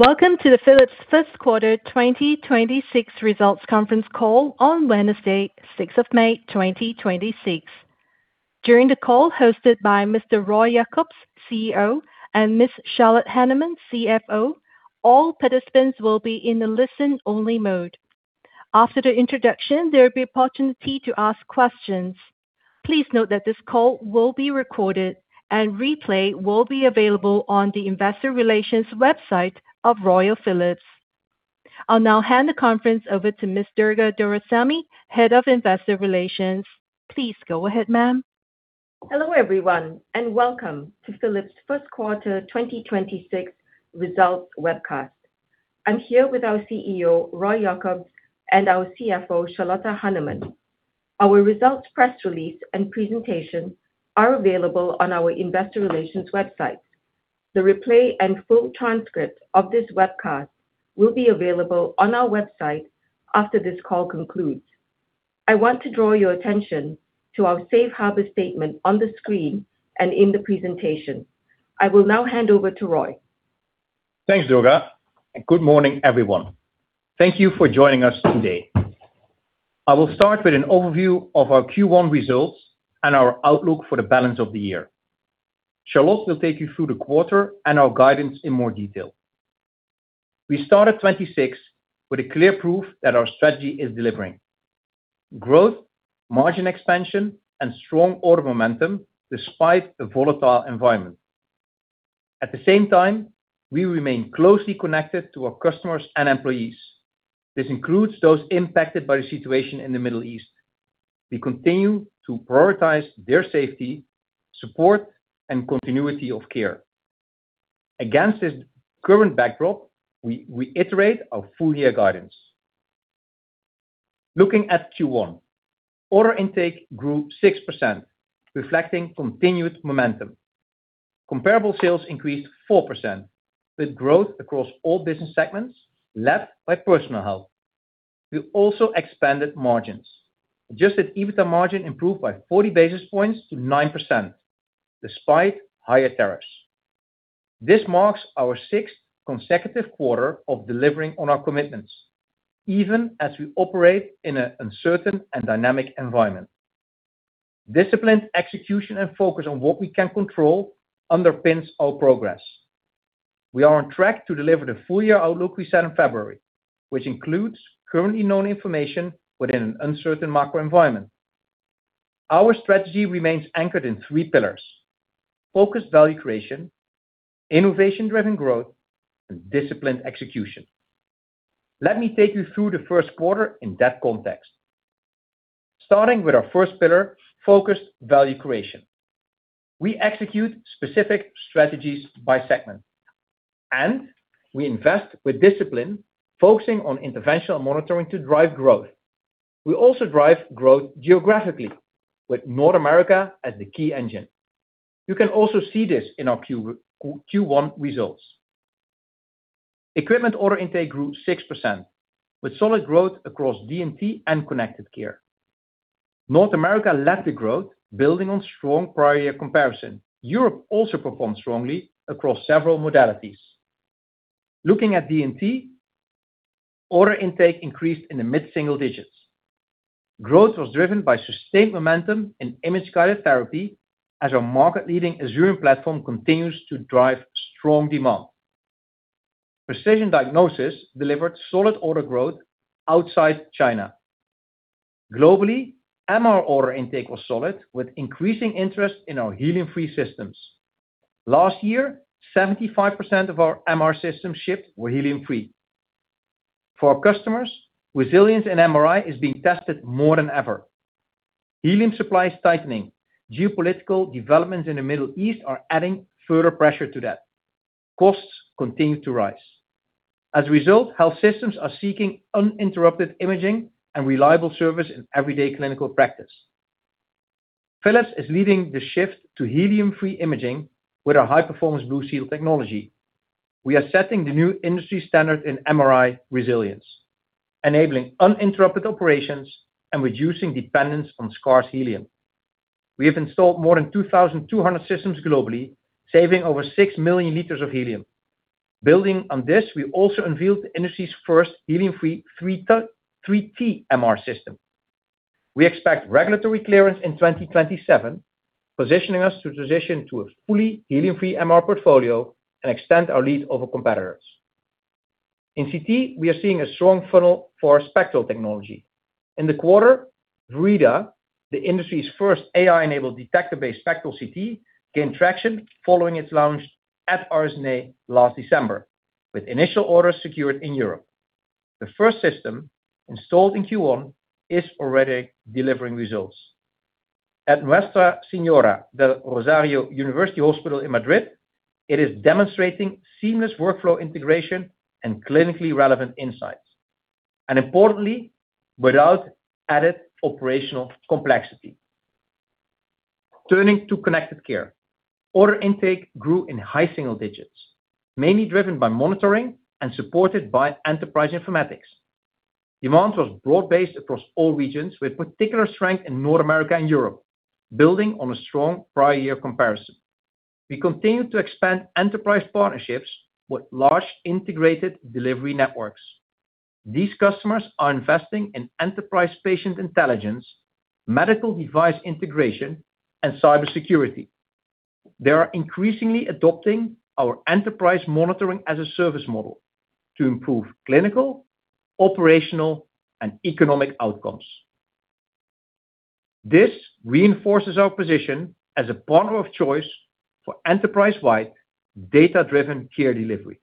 Welcome to the Philips first quarter 2026 results conference call on Wednesday, 6th of May, 2026. During the call hosted by Mr. Roy Jakobs, CEO, and Ms. Charlotte Hanneman, CFO, all participants will be in the listen-only mode. After the introduction, there will be opportunity to ask questions. Please note that this call will be recorded and replay will be available on the Investor Relations website of Royal Philips. I'll now hand the conference over to Ms. Durga Doraisamy, Head of Investor Relations. Please go ahead, ma'am. Hello, everyone, and welcome to Philips first quarter 2026 results webcast. I'm here with our CEO, Roy Jakobs, and our CFO, Charlotte Hanneman. Our results press release and presentation are available on our Investor Relations website. The replay and full transcript of this webcast will be available on our website after this call concludes. I want to draw your attention to our Safe Harbor statement on the screen and in the presentation. I will now hand over to Roy. Thanks, Durga. Good morning, everyone. Thank you for joining us today. I will start with an overview of our Q1 results and our outlook for the balance of the year. Charlotte will take you through the quarter and our guidance in more detail. We start at 2026 with a clear proof that our strategy is delivering growth, margin expansion and strong order momentum despite the volatile environment. At the same time, we remain closely connected to our customers and employees. This includes those impacted by the situation in the Middle East. We continue to prioritize their safety, support, and continuity of care. Against this current backdrop, we reiterate our full year guidance. Looking at Q1, order intake grew 6%, reflecting continued momentum. Comparable sales increased 4%, with growth across all business segments led by Personal Health. We also expanded margins. Adjusted EBITDA margin improved by 40 basis points to 9% despite higher tariffs. This marks our sixth consecutive quarter of delivering on our commitments, even as we operate in an uncertain and dynamic environment. Disciplined execution and focus on what we can control underpins our progress. We are on track to deliver the full-year outlook we set in February, which includes currently known information within an uncertain macro environment. Our strategy remains anchored in three pillars: focused value creation, innovation-driven growth, and disciplined execution. Let me take you through the first quarter in that context. Starting with our first pillar, focused value creation. We execute specific strategies by segment, and we invest with discipline, focusing on interventional monitoring to drive growth. We also drive growth geographically with North America as the key engine. You can also see this in our Q1 results. Equipment order intake grew 6%, with solid growth across D&T and Connected Care. North America led the growth building on strong prior year comparison. Europe also performed strongly across several modalities. Looking at D&T, order intake increased in the mid-single digits. Growth was driven by sustained momentum in Image-Guided Therapy as our market-leading Azurion platform continues to drive strong demand. Precision Diagnosis delivered solid order growth outside China. Globally, MR order intake was solid with increasing interest in our helium-free systems. Last year, 75% of our MR systems shipped were helium-free. For our customers, resilience in MRI is being tested more than ever. Helium supply is tightening. Geopolitical developments in the Middle East are adding further pressure to that. Costs continue to rise. As a result, health systems are seeking uninterrupted imaging and reliable service in everyday clinical practice. Philips is leading the shift to helium-free imaging with our high-performance BlueSeal technology. We are setting the new industry standard in MRI resilience, enabling uninterrupted operations and reducing dependence on scarce helium. We have installed more than 2,200 systems globally, saving over 6 million liters of helium. Building on this, we also unveiled the industry's first helium-free 3T MR system. We expect regulatory clearance in 2027, positioning us to transition to a fully helium-free MR portfolio and extend our lead over competitors. In CT, we are seeing a strong funnel for spectral technology. In the quarter, Verida, the industry's first AI-enabled detector-based spectral CT, gained traction following its launch at RSNA last December, with initial orders secured in Europe. The first system installed in Q1 is already delivering results. At Hospital Universitario Nuestra Señora del Rosario in Madrid, it is demonstrating seamless workflow integration and clinically relevant insights, and importantly, without added operational complexity. Turning to Connected Care, order intake grew in high single digits, mainly driven by monitoring and supported by enterprise informatics. Demand was broad-based across all regions with particular strength in North America and Europe, building on a strong prior year comparison. We continue to expand enterprise partnerships with large integrated delivery networks. These customers are investing in enterprise patient intelligence, medical device integration, and cybersecurity. They are increasingly adopting our enterprise monitoring-as-a-service model to improve clinical, operational, and economic outcomes. This reinforces our position as a partner of choice for enterprise-wide data-driven care delivery.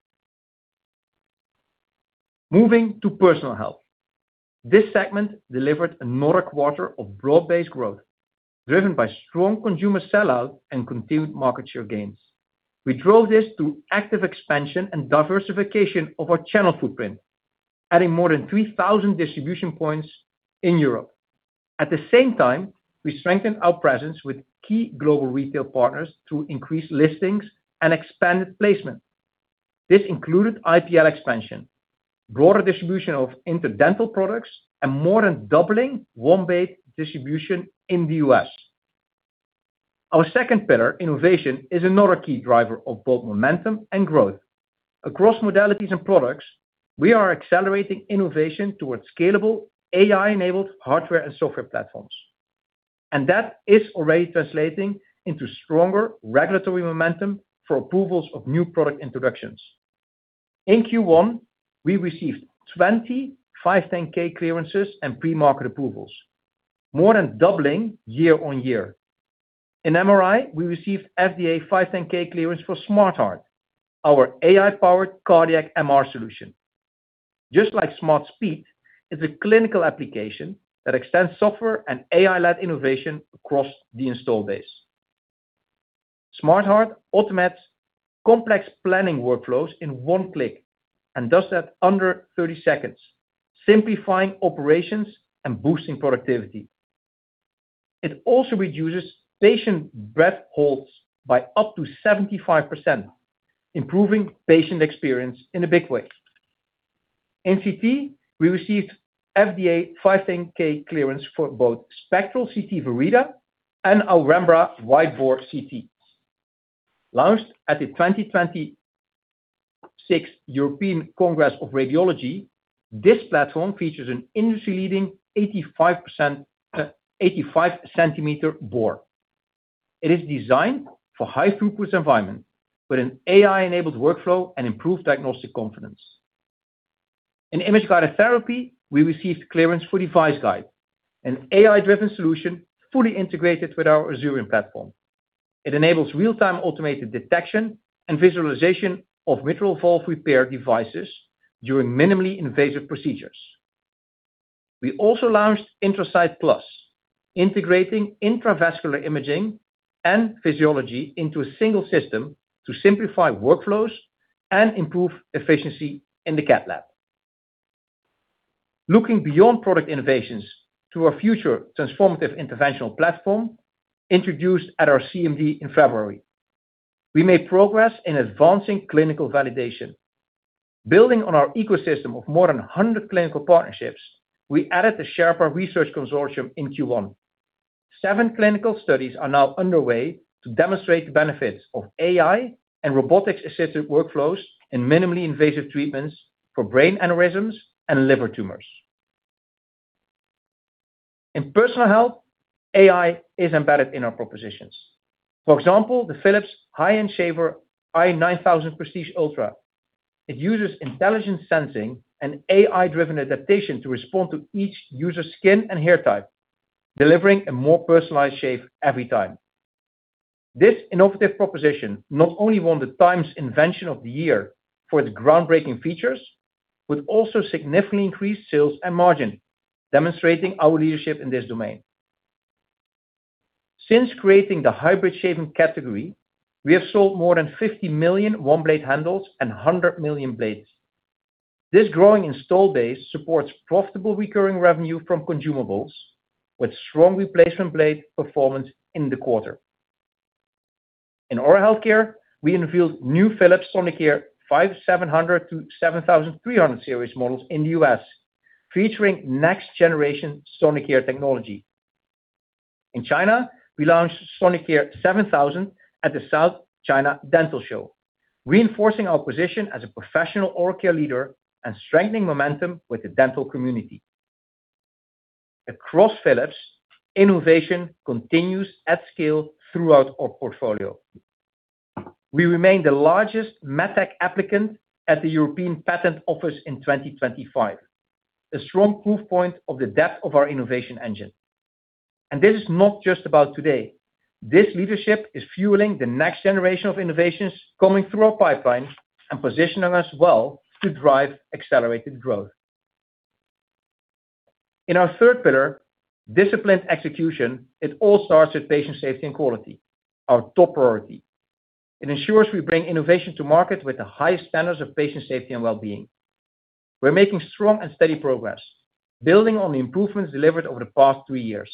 Moving to Personal Health. This segment delivered another quarter of broad-based growth, driven by strong consumer sell-out and continued market share gains. We drove this through active expansion and diversification of our channel footprint, adding more than 3,000 distribution points in Europe. At the same time, we strengthened our presence with key global retail partners through increased listings and expanded placement. This included IPL expansion, broader distribution of interdental products, and more than doubling OneBlade distribution in the U.S. Our second pillar, innovation, is another key driver of both momentum and growth. Across modalities and products, we are accelerating innovation towards scalable AI-enabled hardware and software platforms. That is already translating into stronger regulatory momentum for approvals of new product introductions. In Q1, we received 20 510(k) clearances and pre-market approvals, more than doubling year-over-year. In MRI, we received FDA 510(k) clearance for SmartHeart, our AI-powered cardiac MR solution. Just like SmartSpeed, it's a clinical application that extends software and AI-led innovation across the install base. SmartHeart automates complex planning workflows in one click and does that under 30 seconds, simplifying operations and boosting productivity. It also reduces patient breath holds by up to 75%, improving patient experience in a big way. In CT, we received FDA 510(k) clearance for both Spectral CT Verida and our Rembra wide bore CT. Launched at the 2026 European Congress of Radiology, this platform features an industry-leading 85cm bore. It is designed for high throughput environment with an AI-enabled workflow and improved diagnostic confidence. In Image-Guided Therapy, we received clearance for DeviceGuide, an AI-driven solution fully integrated with our Azurion platform. It enables real-time automated detection and visualization of mitral valve repair devices during minimally invasive procedures. We also launched IntraSight Plus, integrating intravascular imaging and physiology into a single system to simplify workflows and improve efficiency in the cath lab. Looking beyond product innovations to our future transformative interventional platform introduced at our CMD in February. We made progress in advancing clinical validation. Building on our ecosystem of more than 100 clinical partnerships, we added the Sharper Research Consortium in Q1. Seven clinical studies are now underway to demonstrate the benefits of AI and robotics-assisted workflows in minimally invasive treatments for brain aneurysms and liver tumors. In personal health, AI is embedded in our propositions. For example, the Philips high-end Shaver S9000 Prestige. It uses intelligent sensing and AI-driven adaptation to respond to each user's skin and hair type, delivering a more personalized shave every time. This innovative proposition not only won the Time's Best Inventions for its groundbreaking features, but also significantly increased sales and margin, demonstrating our leadership in this domain. Since creating the hybrid shaving category, we have sold more than 50 million OneBlade handles and 100 million blades. This growing install base supports profitable recurring revenue from consumables with strong replacement blade performance in the quarter. In oral healthcare, we unveiled new Philips Sonicare 5700 to 7300 series models in the U.S., featuring next-generation Sonicare technology. In China, we launched Sonicare 7000 at the South China Dental Show, reinforcing our position as a professional oral care leader and strengthening momentum with the dental community. Across Philips, innovation continues at scale throughout our portfolio. We remain the largest MedTech applicant at the European Patent Office in 2025, a strong proof point of the depth of our innovation engine. This is not just about today. This leadership is fueling the next generation of innovations coming through our pipeline and positioning us well to drive accelerated growth. In our third pillar, disciplined execution, it all starts with patient safety and quality, our top priority. It ensures we bring innovation to market with the highest standards of patient safety and well-being. We're making strong and steady progress, building on the improvements delivered over the past three years.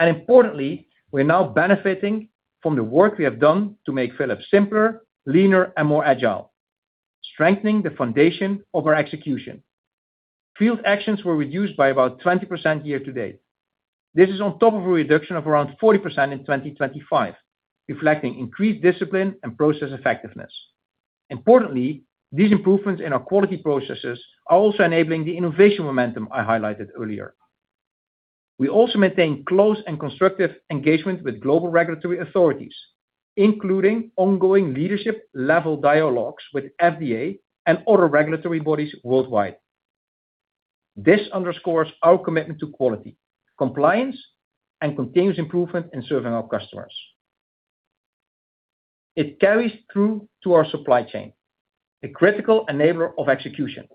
Importantly, we are now benefiting from the work we have done to make Philips simpler, leaner, and more agile, strengthening the foundation of our execution. Field actions were reduced by about 20% year-to-date. This is on top of a reduction of around 40% in 2025, reflecting increased discipline and process effectiveness. Importantly, these improvements in our quality processes are also enabling the innovation momentum I highlighted earlier. We also maintain close and constructive engagement with global regulatory authorities, including ongoing leadership-level dialogues with FDA and other regulatory bodies worldwide. This underscores our commitment to quality, compliance, and continuous improvement in serving our customers. It carries through to our supply chain, a critical enabler of execution.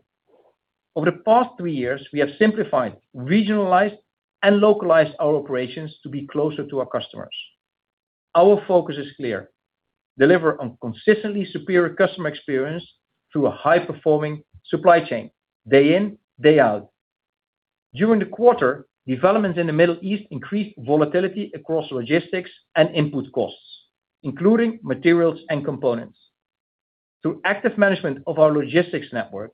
Over the past three years, we have simplified, regionalized, and localized our operations to be closer to our customers. Our focus is clear: deliver on consistently superior customer experience through a high-performing supply chain, day in, day out. During the quarter, developments in the Middle East increased volatility across logistics and input costs, including materials and components. Through active management of our logistics network,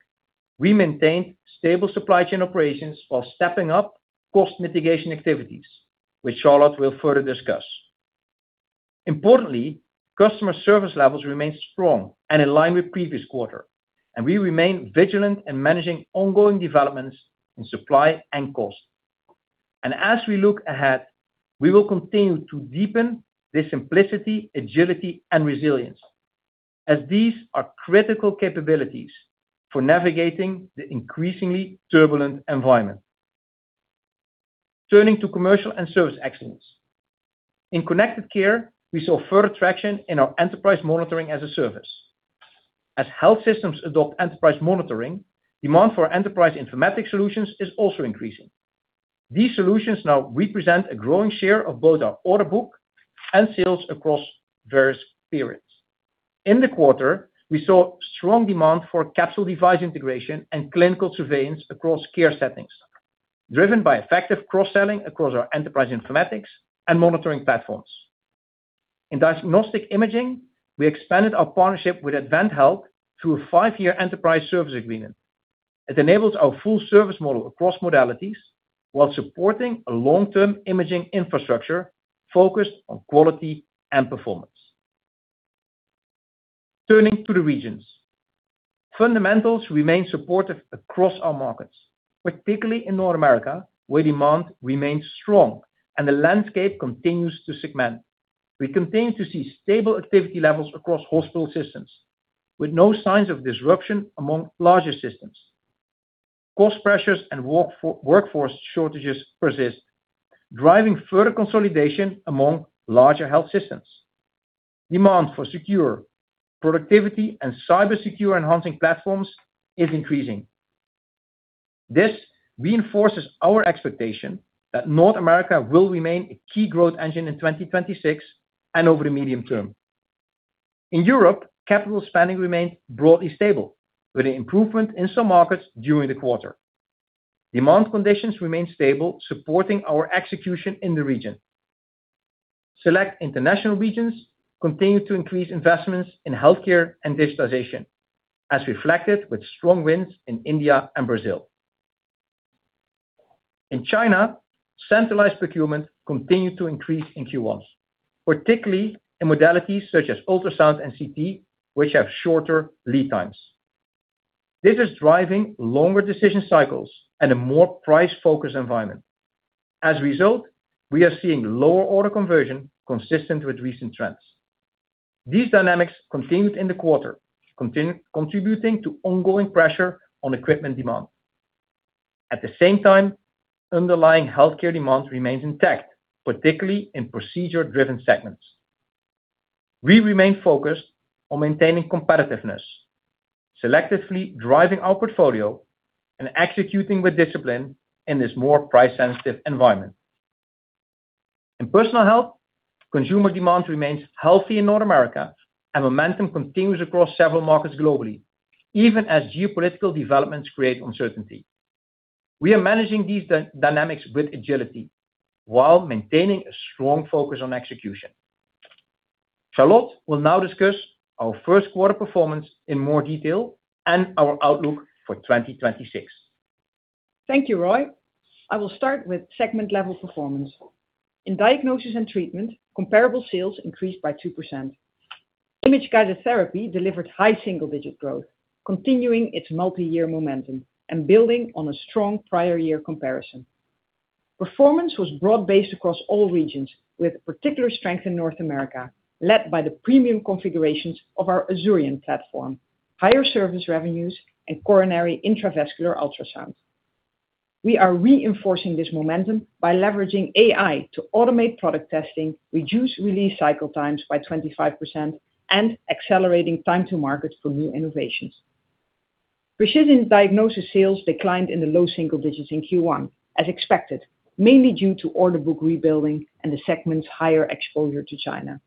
we maintained stable supply chain operations while stepping up cost mitigation activities, which Charlotte will further discuss. Importantly, customer service levels remain strong and in line with previous quarter. We remain vigilant in managing ongoing developments in supply and cost. As we look ahead, we will continue to deepen the simplicity, agility, and resilience as these are critical capabilities for navigating the increasingly turbulent environment. Turning to commercial and service excellence. In Connected Care, we saw further traction in our enterprise monitoring as a service. As health systems adopt enterprise monitoring, demand for enterprise informatics solutions is also increasing. These solutions now represent a growing share of both our order book and sales across various periods. In the quarter, we saw strong demand for Capsule device integration and clinical surveillance across care settings, driven by effective cross-selling across our enterprise informatics and monitoring platforms. In diagnostic imaging, we expanded our partnership with AdventHealth through a five-year enterprise service agreement. It enables our full service model across modalities while supporting a long-term imaging infrastructure focused on quality and performance. Turning to the regions. Fundamentals remain supportive across our markets, particularly in North America, where demand remains strong and the landscape continues to segment. We continue to see stable activity levels across hospital systems, with no signs of disruption among larger systems. Cost pressures and workforce shortages persist, driving further consolidation among larger health systems. Demand for secure productivity and cybersecure enhancing platforms is increasing. This reinforces our expectation that North America will remain a key growth engine in 2026 and over the medium term. In Europe, capital spending remained broadly stable, with an improvement in some markets during the quarter. Demand conditions remain stable, supporting our execution in the region. Select international regions continue to increase investments in healthcare and digitalization, as reflected with strong wins in India and Brazil. In China, centralized procurement continued to increase in Q1, particularly in modalities such as ultrasound and CT, which have shorter lead times. This is driving longer decision cycles and a more price-focused environment. We are seeing lower order conversion consistent with recent trends. These dynamics continued in the quarter, contributing to ongoing pressure on equipment demand. Underlying healthcare demand remains intact, particularly in procedure-driven segments. We remain focused on maintaining competitiveness, selectively driving our portfolio, and executing with discipline in this more price-sensitive environment. In Personal Health, consumer demand remains healthy in North America, and momentum continues across several markets globally, even as geopolitical developments create uncertainty. We are managing these dynamics with agility while maintaining a strong focus on execution. Charlotte will now discuss our first quarter performance in more detail and our outlook for 2026. Thank you, Roy. I will start with segment level performance. In Diagnosis & Treatment, comparable sales increased by 2%. Image-Guided Therapy delivered high single-digit growth, continuing its multiyear momentum and building on a strong prior year comparison. Performance was broad-based across all regions, with particular strength in North America, led by the premium configurations of our Azurion platform, higher service revenues, and coronary intravascular ultrasound. We are reinforcing this momentum by leveraging AI to automate product testing, reduce release cycle times by 25%, and accelerating time to market for new innovations. Precision Diagnosis sales declined in the low single digits in Q1, as expected, mainly due to order book rebuilding and the segment's higher exposure to China.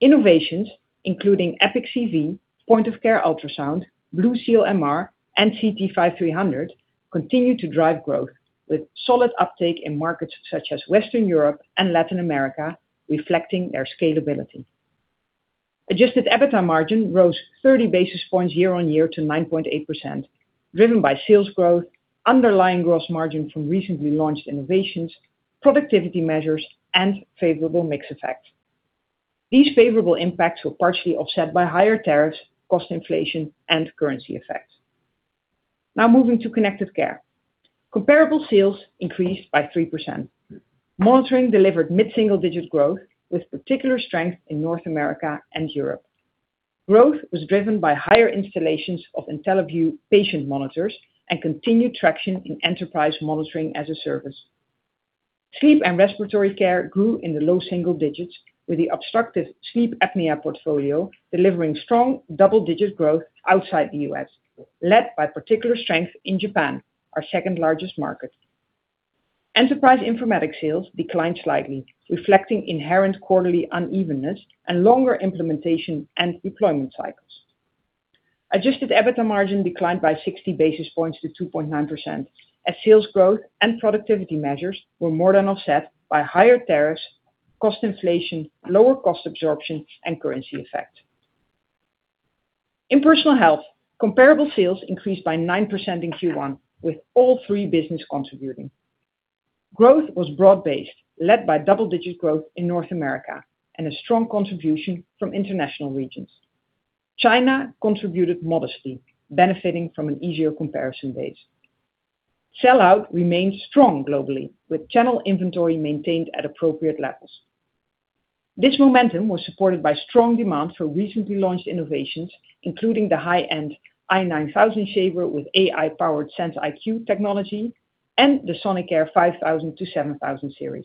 Innovations including EPIQ CV, point of care ultrasound, BlueSeal MR, and CT 5300 continue to drive growth with solid uptake in markets such as Western Europe and Latin America, reflecting their scalability. Adjusted EBITDA margin rose 30 basis points year-on-year to 9.8% driven by sales growth, underlying gross margin from recently launched innovations, productivity measures, and favorable mix effects. These favorable impacts were partially offset by higher tariffs, cost inflation, and currency effects. Now moving to Connected Care. Comparable sales increased by 3%. Monitoring delivered mid-single digit growth with particular strength in North America and Europe. Growth was driven by higher installations of IntelliVue patient monitors and continued traction in enterprise monitoring as a service. Sleep and respiratory care grew in the low single digits with the obstructive sleep apnea portfolio delivering strong double-digit growth outside the U.S., led by particular strength in Japan, our second-largest market. Enterprise informatics sales declined slightly, reflecting inherent quarterly unevenness and longer implementation and deployment cycles. Adjusted EBITDA margin declined by 60 basis points to 2.9% as sales growth and productivity measures were more than offset by higher tariffs, cost inflation, lower cost absorption, and currency effect. In Personal Health, comparable sales increased by 9% in Q1 with all three business contributing. Growth was broad-based, led by double-digit growth in North America and a strong contribution from international regions. China contributed modestly, benefiting from an easier comparison base. Sell-out remains strong globally, with channel inventory maintained at appropriate levels. This momentum was supported by strong demand for recently launched innovations, including the high-end Shaver S9000 Prestige with AI-powered SenseIQ technology and the Sonicare 5000 to 7000 series.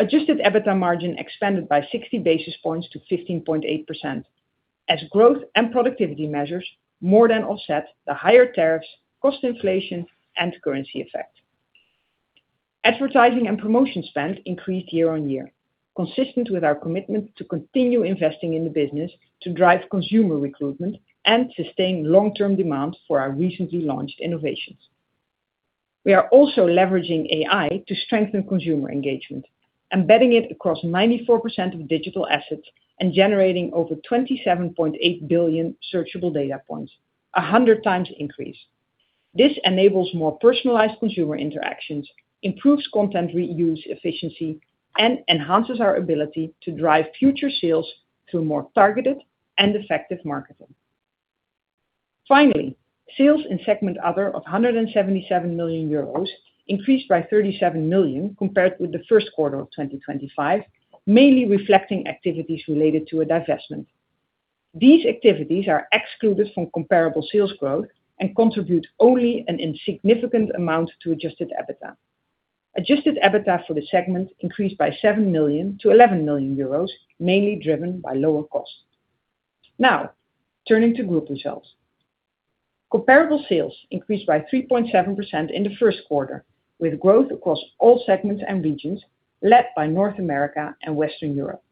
Adjusted EBITDA margin expanded by 60 basis points to 15.8% as growth and productivity measures more than offset the higher tariffs, cost inflation, and currency effect. Advertising and promotion spend increased year-on-year, consistent with our commitment to continue investing in the business to drive consumer recruitment and sustain long-term demand for our recently launched innovations. We are also leveraging AI to strengthen consumer engagement, embedding it across 94% of digital assets and generating over 27.8 billion searchable data points, a 100 times increase. This enables more personalized consumer interactions, improves content reuse efficiency, and enhances our ability to drive future sales through more targeted and effective marketing. Finally, sales in Segment Other of 177 million euros increased by 37 million compared with the first quarter of 2025, mainly reflecting activities related to a divestment. These activities are excluded from comparable sales growth and contribute only an insignificant amount to adjusted EBITDA. Adjusted EBITDA for the segment increased by 7 million to 11 million euros, mainly driven by lower costs. Now, turning to group results. Comparable sales increased by 3.7% in the first quarter, with growth across all segments and regions led by North America and Western Europe.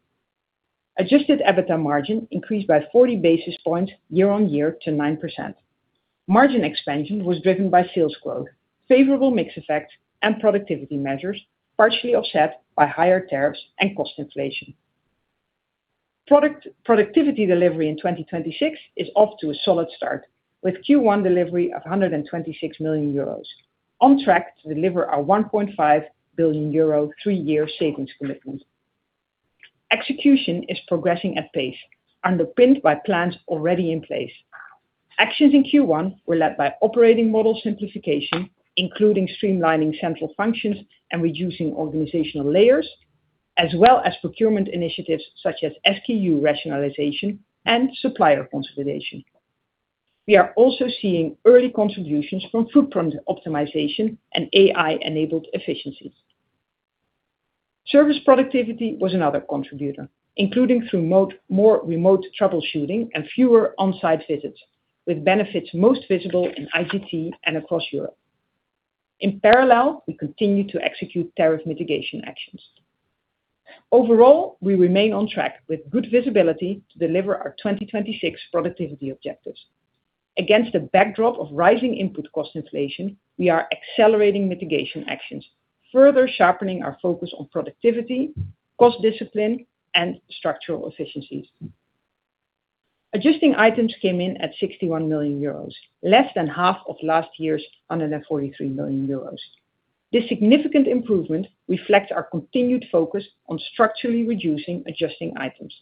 Adjusted EBITDA margin increased by 40 basis points year-on-year to 9%. Margin expansion was driven by sales growth, favorable mix effects, and productivity measures, partially offset by higher tariffs and cost inflation. Product productivity delivery in 2026 is off to a solid start with Q1 delivery of 126 million euros on track to deliver our 1.5 billion euro three-year savings commitment. Execution is progressing at pace underpinned by plans already in place. Actions in Q1 were led by operating model simplification, including streamlining central functions and reducing organizational layers, as well as procurement initiatives such as SKU rationalization and supplier consolidation. We are also seeing early contributions from footprint optimization and AI-enabled efficiencies. Service productivity was another contributor, including through more remote troubleshooting and fewer on-site visits, with benefits most visible in IGT and across Europe. In parallel, we continue to execute tariff mitigation actions. Overall, we remain on track with good visibility to deliver our 2026 productivity objectives. Against the backdrop of rising input cost inflation, we are accelerating mitigation actions, further sharpening our focus on productivity, cost discipline, and structural efficiencies. Adjusting items came in at 61 million euros, less than half of last year's 143 million euros. This significant improvement reflects our continued focus on structurally reducing adjusting items.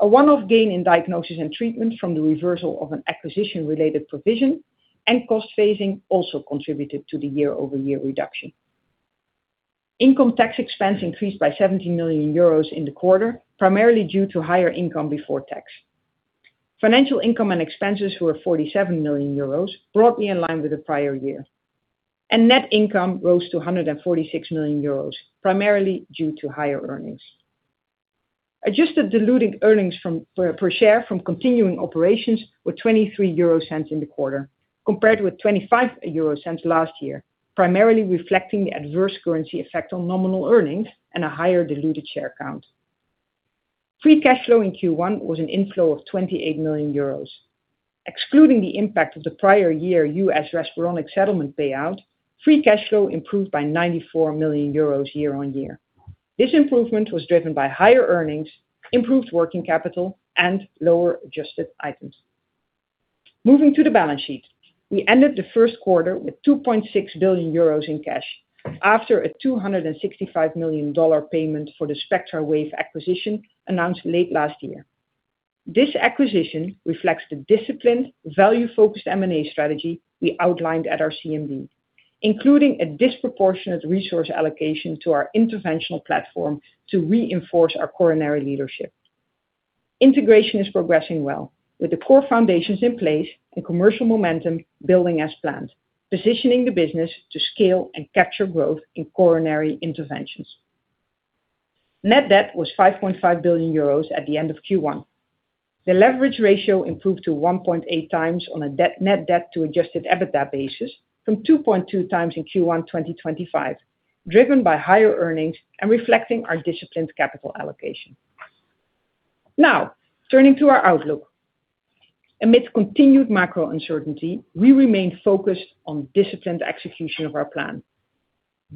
A one-off gain in Diagnosis & Treatment from the reversal of an acquisition-related provision and cost phasing also contributed to the year-over-year reduction. Income tax expense increased by 17 million euros in the quarter, primarily due to higher income before tax. Financial income and expenses were 47 million euros, broadly in line with the prior year. Net income rose to 146 million euros, primarily due to higher earnings. Adjusted diluted earnings from share from continuing operations were 0.23 in the quarter compared with 0.25 last year, primarily reflecting the adverse currency effect on nominal earnings and a higher diluted share count. Free cash flow in Q1 was an inflow of 28 million euros. Excluding the impact of the prior year Philips Respironics settlement payout, free cash flow improved by 94 million euros year-on-year. This improvement was driven by higher earnings, improved working capital, and lower adjusted items. Moving to the balance sheet. We ended the first quarter with 2.6 billion euros in cash after a $265 million payment for the SpectraWAVE acquisition announced late last year. This acquisition reflects the disciplined, value-focused M&A strategy we outlined at our CMD, including a disproportionate resource allocation to our interventional platform to reinforce our coronary leadership. Integration is progressing well, with the core foundations in place and commercial momentum building as planned, positioning the business to scale and capture growth in coronary interventions. Net debt was 5.5 billion euros at the end of Q1. The leverage ratio improved to 1.8 times on a net debt to Adjusted EBITDA basis from 2.2 times in Q1 2025, driven by higher earnings and reflecting our disciplined capital allocation. Turning to our outlook. Amidst continued macro uncertainty, we remain focused on disciplined execution of our plan.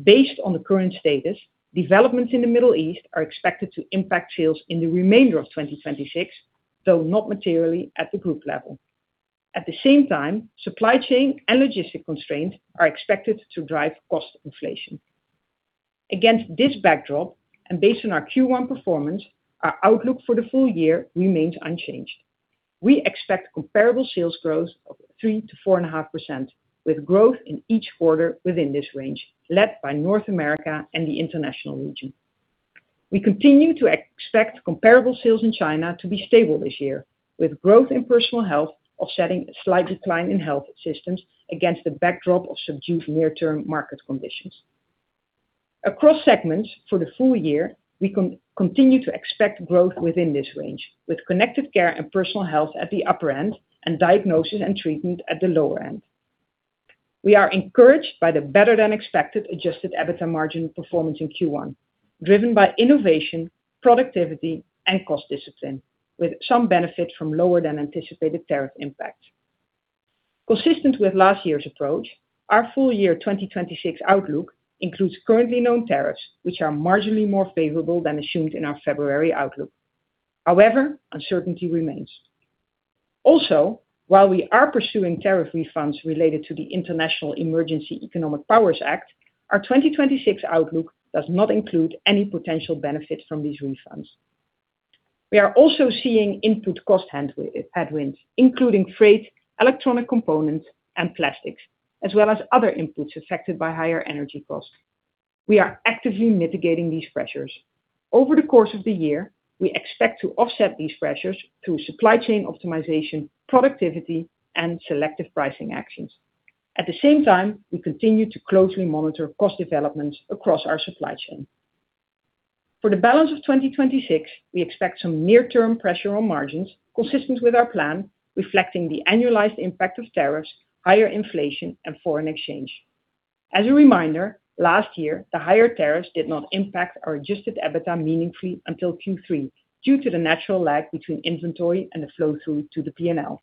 Based on the current status, developments in the Middle East are expected to impact sales in the remainder of 2026, though not materially at the group level. At the same time, supply chain and logistic constraints are expected to drive cost inflation. Against this backdrop, based on our Q1 performance, our outlook for the full year remains unchanged. We expect comparable sales growth of 3%-4.5%, with growth in each quarter within this range, led by North America and the international region. We continue to expect comparable sales in China to be stable this year, with growth in Personal Health offsetting a slight decline in health systems against the backdrop of subdued near-term market conditions. Across segments for the full year, we continue to expect growth within this range, with Connected Care and Personal Health at the upper end and Diagnosis & Treatment at the lower end. We are encouraged by the better than expected adjusted EBITDA margin performance in Q1, driven by innovation, productivity, and cost discipline, with some benefit from lower than anticipated tariff impact. Consistent with last year's approach, our full year 2026 outlook includes currently known tariffs, which are marginally more favorable than assumed in our February outlook. Uncertainty remains. While we are pursuing tariff refunds related to the International Emergency Economic Powers Act, our 2026 outlook does not include any potential benefits from these refunds. We are also seeing input cost headwinds, including freight, electronic components, and plastics, as well as other inputs affected by higher energy costs. We are actively mitigating these pressures. Over the course of the year, we expect to offset these pressures through supply chain optimization, productivity, and selective pricing actions. At the same time, we continue to closely monitor cost developments across our supply chain. For the balance of 2026, we expect some near-term pressure on margins consistent with our plan, reflecting the annualized impact of tariffs, higher inflation, and foreign exchange. As a reminder, last year, the higher tariffs did not impact our Adjusted EBITDA meaningfully until Q3 due to the natural lag between inventory and the flow-through to the P&L.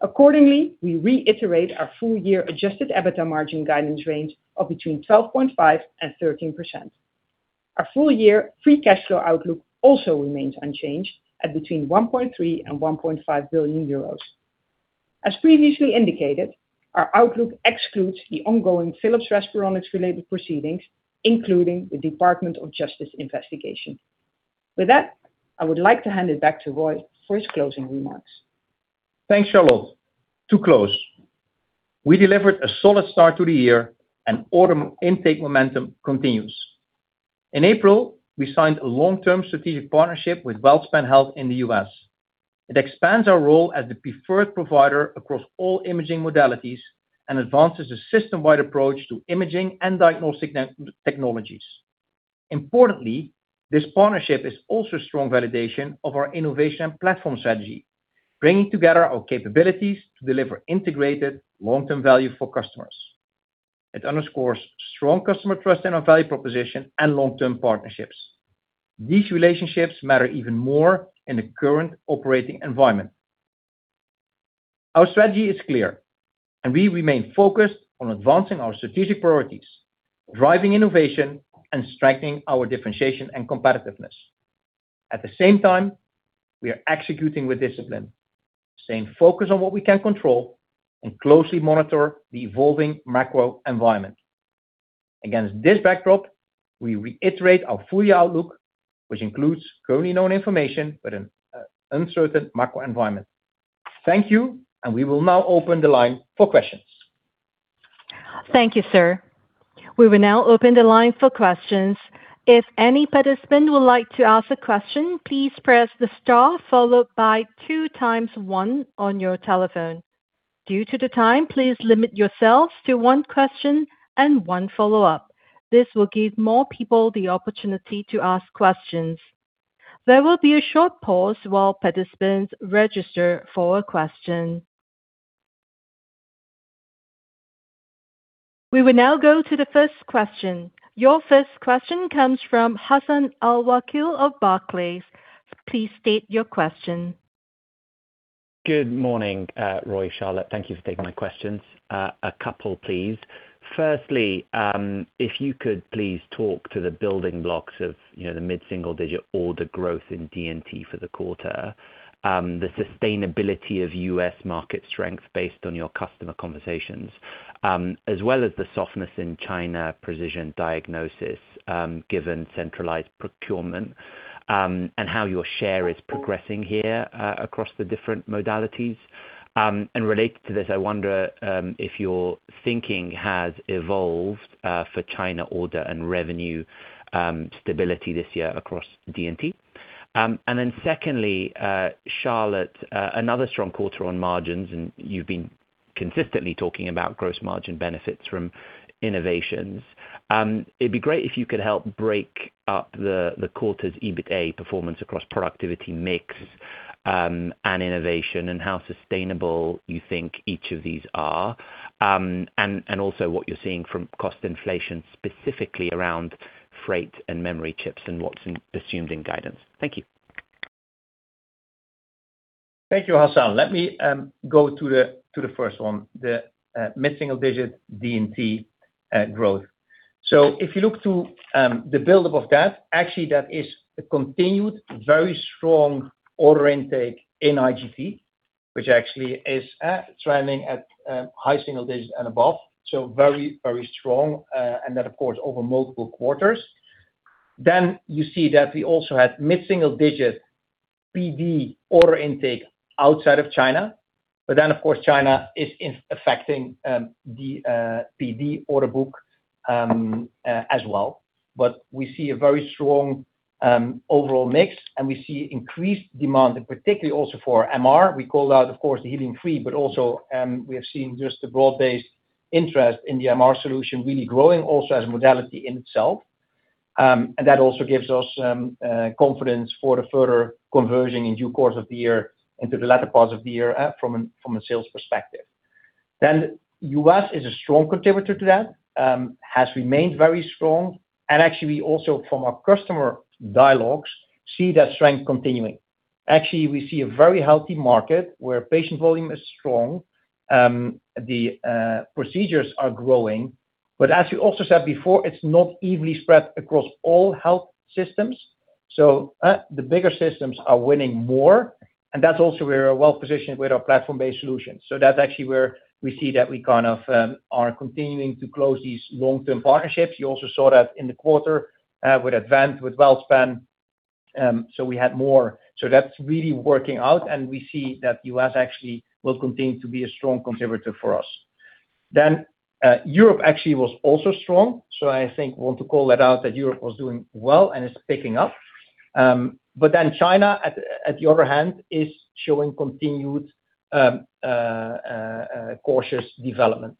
Accordingly, we reiterate our full year adjusted EBITDA margin guidance range of between 12.5% and 13%. Our full year free cash flow outlook also remains unchanged at between 1.3 billion and 1.5 billion euros. As previously indicated, our outlook excludes the ongoing Philips Respironics related proceedings, including the Department of Justice investigation. With that, I would like to hand it back to Roy for his closing remarks. Thanks, Charlotte. To close, we delivered a solid start to the year and order intake momentum continues. In April, we signed a long-term strategic partnership with WellSpan Health in the U.S. It expands our role as the preferred provider across all imaging modalities and advances the system-wide approach to imaging and diagnostic technologies. Importantly, this partnership is also strong validation of our innovation platform strategy, bringing together our capabilities to deliver integrated long-term value for customers. It underscores strong customer trust in our value proposition and long-term partnerships. These relationships matter even more in the current operating environment. Our strategy is clear, and we remain focused on advancing our strategic priorities, driving innovation, and strengthening our differentiation and competitiveness. At the same time, we are executing with discipline, staying focused on what we can control, and closely monitor the evolving macro environment. Against this backdrop, we reiterate our full year outlook, which includes currently known information but an uncertain macro environment. Thank you. We will now open the line for questions. Thank you, sir. We will now open the line for questions. If any participant would like to ask a question, please press the star followed by two times one on your telephone. Due to the time, please limit yourself to one question and one follow-up. This will give more people the opportunity to ask questions. There will be a short pause while participants register for a question. We will now go to the first question. Your first question comes from Hassan Al-Wakeel of Barclays. Please state your question. Good morning, Roy, Charlotte. Thank you for taking my questions. A couple, please. Firstly, if you could please talk to the building blocks of, you know, the mid-single-digit order growth in D&T for the quarter, the sustainability of U.S. market strength based on your customer conversations, as well as the softness in China Precision Diagnosis, given centralized procurement, and how your share is progressing here across the different modalities. Related to this, I wonder if your thinking has evolved for China order and revenue stability this year across D&T. Secondly, Charlotte, another strong quarter on margins, and you've been consistently talking about gross margin benefits from innovations. It'd be great if you could help break up the quarter's EBITDA performance across productivity mix, and innovation, and how sustainable you think each of these are. And also what you're seeing from cost inflation, specifically around freight and memory chips and what's assumed in guidance. Thank you. Thank you, Hassan. Let me go to the first one, the mid-single digit D&T growth. If you look to the buildup of that, actually that is a continued, very strong order intake in IGT, which actually is trending at high single digits and above, so very, very strong. That of course, over multiple quarters. You see that we also had mid-single digit PD order intake outside of China. Of course, China is affecting the PD order book as well. We see a very strong overall mix, and we see increased demand, and particularly also for MR. We called out, of course, the helium-free, but also, we have seen just the broad-based interest in the MR solution really growing also as modality in itself. That also gives us confidence for the further conversion in due course of the year into the latter part of the year from a sales perspective. U.S. is a strong contributor to that, has remained very strong. Actually we also, from our customer dialogues, see that strength continuing. Actually, we see a very healthy market where patient volume is strong, the procedures are growing. As you also said before, it's not evenly spread across all health systems. The bigger systems are winning more, that's also where we're well-positioned with our platform-based solutions. That's actually where we see that we kind of are continuing to close these long-term partnerships. You also saw that in the quarter with AdventHealth, with WellSpan Health, we had more. That's really working out and we see that U.S. actually will continue to be a strong contributor for us. Europe actually was also strong, so I think we want to call that out that Europe was doing well and is picking up. China at the other hand, is showing continued cautious development.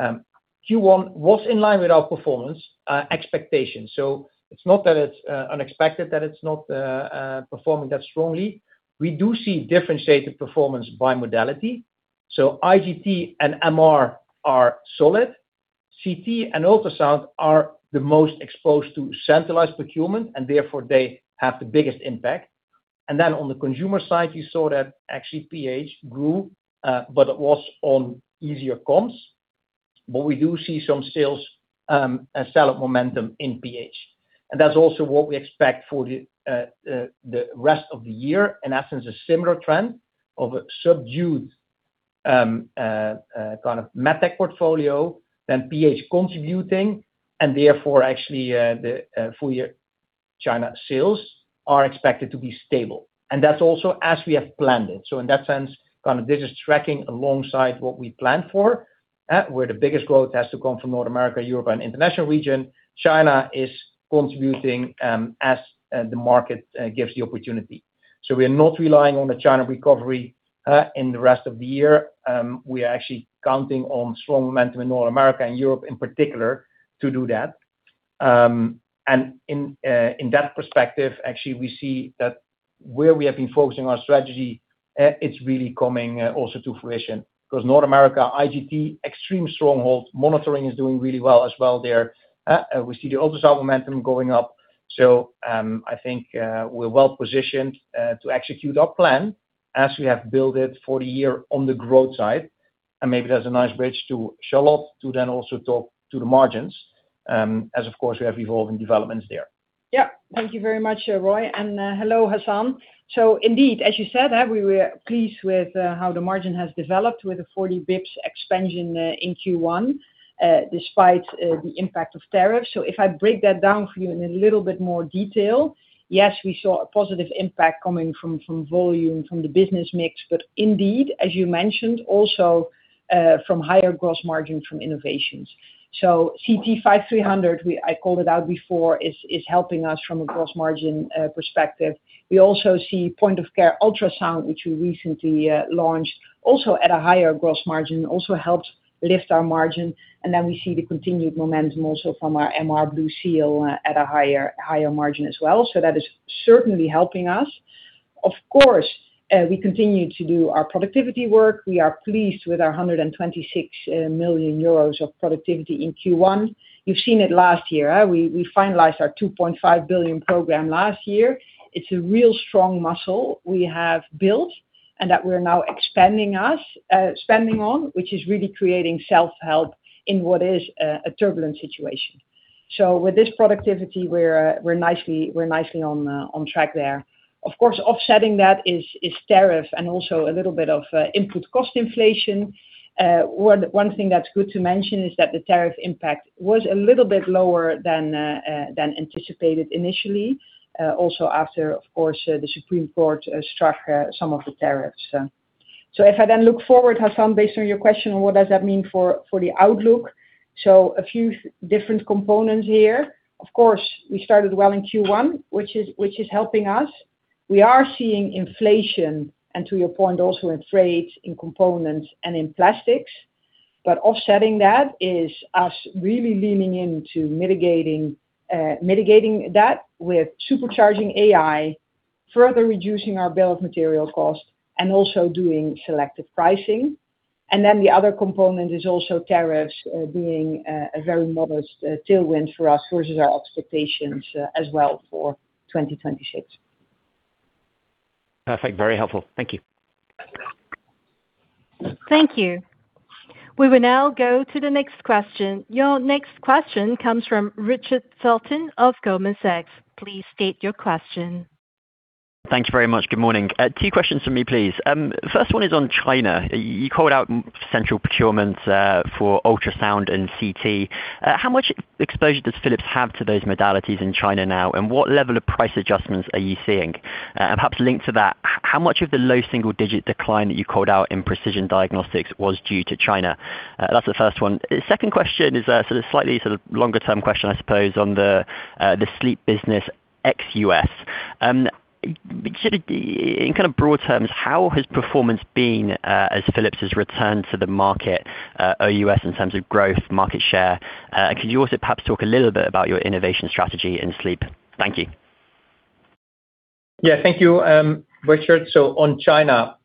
Q1 was in line with our performance expectations, so it's not that it's unexpected that it's not performing that strongly. We do see differentiated performance by modality. IGT and MR are solid. CT and ultrasound are the most exposed to centralized procurement, and therefore they have the biggest impact. On the consumer side, you saw that actually PH grew, but it was on easier comms. We do see some sales sell of momentum in PH. That's also what we expect for the rest of the year. In essence, a similar trend of a subdued kind of MedTech portfolio, then PH contributing and therefore the full year China sales are expected to be stable. That's also as we have planned it. In that sense, kind of this is tracking alongside what we planned for, where the biggest growth has to come from North America, Europe, and international region. China is contributing as the market gives the opportunity. We are not relying on the China recovery in the rest of the year. We are actually counting on strong momentum in North America and Europe in particular to do that. In that perspective, actually, we see that where we have been focusing our strategy, it's really coming also to fruition. Cause North America, IGT, extreme stronghold. Monitoring is doing really well as well there. We see the ultrasound momentum going up. I think, we're well-positioned, to execute our plan as we have built it for the year on the growth side. Maybe that's a nice bridge to Charlotte to then also talk to the margins, as of course, we have evolving developments there. Thank you very much, Roy. Hello, Hassan. Indeed, as you said, we were pleased with how the margin has developed with the 40 basis points expansion in Q1, despite the impact of tariffs. If I break that down for you in a little bit more detail, yes, we saw a positive impact coming from volume, from the business mix, but indeed, as you mentioned, also from higher gross margin from innovations. CT 5300, I called it out before, is helping us from a gross margin perspective. We also see point of care ultrasound, which we recently launched also at a higher gross margin, also helped lift our margin. Then we see the continued momentum also from our MR BlueSeal at a higher margin as well. That is certainly helping us. We continue to do our productivity work. We are pleased with our 126 million euros of productivity in Q1. You've seen it last year. We finalized our 2.5 billion program last year. It's a real strong muscle we have built and that we're now expanding spending on, which is really creating self-help in what is a turbulent situation. With this productivity, we're nicely on track there. Offsetting that is tariff and also a little bit of input cost inflation. One thing that's good to mention is that the tariff impact was a little bit lower than anticipated initially, also after, of course, the Supreme Court struck some of the tariffs. If I then look forward, Hassan, based on your question, what does that mean for the outlook? A few different components here. Of course, we started well in Q1, which is helping us. We are seeing inflation, and to your point, also in freight, in components and in plastics. Offsetting that is us really leaning into mitigating that with supercharging AI, further reducing our bill of material cost and also doing selective pricing. The other component is also tariffs being a very modest tailwind for us versus our expectations as well for 2026. Perfect. Very helpful. Thank you. Thank you. We will now go to the next question. Your next question comes from Richard Felton of Goldman Sachs. Please state your question. Thank you very much. Good morning. Two questions from me, please. First one is on China. You called out central procurement, for ultrasound and CT. How much exposure does Philips have to those modalities in China now? What level of price adjustments are you seeing? Perhaps linked to that, how much of the low single-digit decline that you called out in Precision Diagnosis was due to China? That's the first one. Second question is, sort of slightly longer-term question, I suppose, on the sleep business ex-U.S. In kind of broad terms, how has performance been, as Philips has returned to the market, OUS in terms of growth, market share? Could you also perhaps talk a little bit about your innovation strategy in sleep? Thank you. Yeah. Thank you, Richard. On China,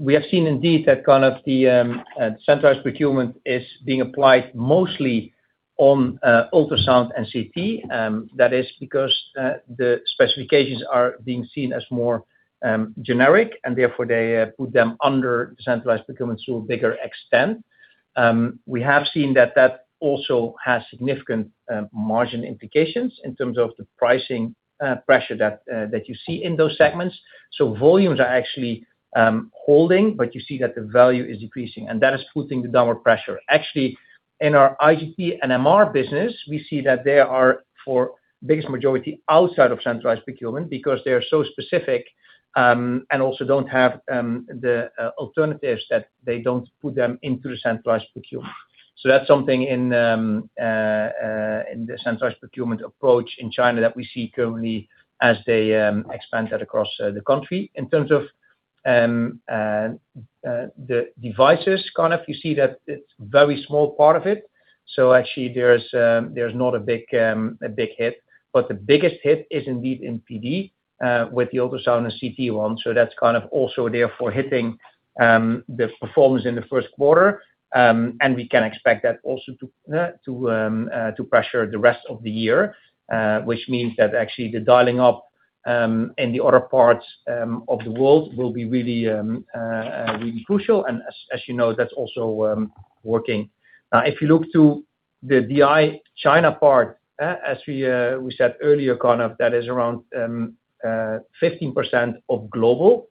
we have seen indeed that kind of the centralized procurement is being applied mostly on ultrasound and CT. That is because the specifications are being seen as more generic, and therefore they put them under centralized procurement to a bigger extent. We have seen that that also has significant margin implications in terms of the pricing pressure that you see in those segments. Volumes are actually holding, but you see that the value is decreasing, and that is putting the downward pressure. In our IGT and MR business, we see that they are for biggest majority outside of centralized procurement because they are so specific, and also don't have the alternatives that they don't put them into the centralized procurement. That's something in the centralized procurement approach in China that we see currently as they expand that across the country. In terms of the devices, kind of you see that it's very small part of it. Actually there's not a big, a big hit. The biggest hit is indeed in PD with the ultrasound and CT1. That's kind of also therefore hitting the performance in the first quarter. We can expect that also to pressure the rest of the year, which means that actually the dialing up in the other parts of the world will be really crucial. As you know, that's also working. If you look to the DI China part, as we said earlier, that is around 15% of global.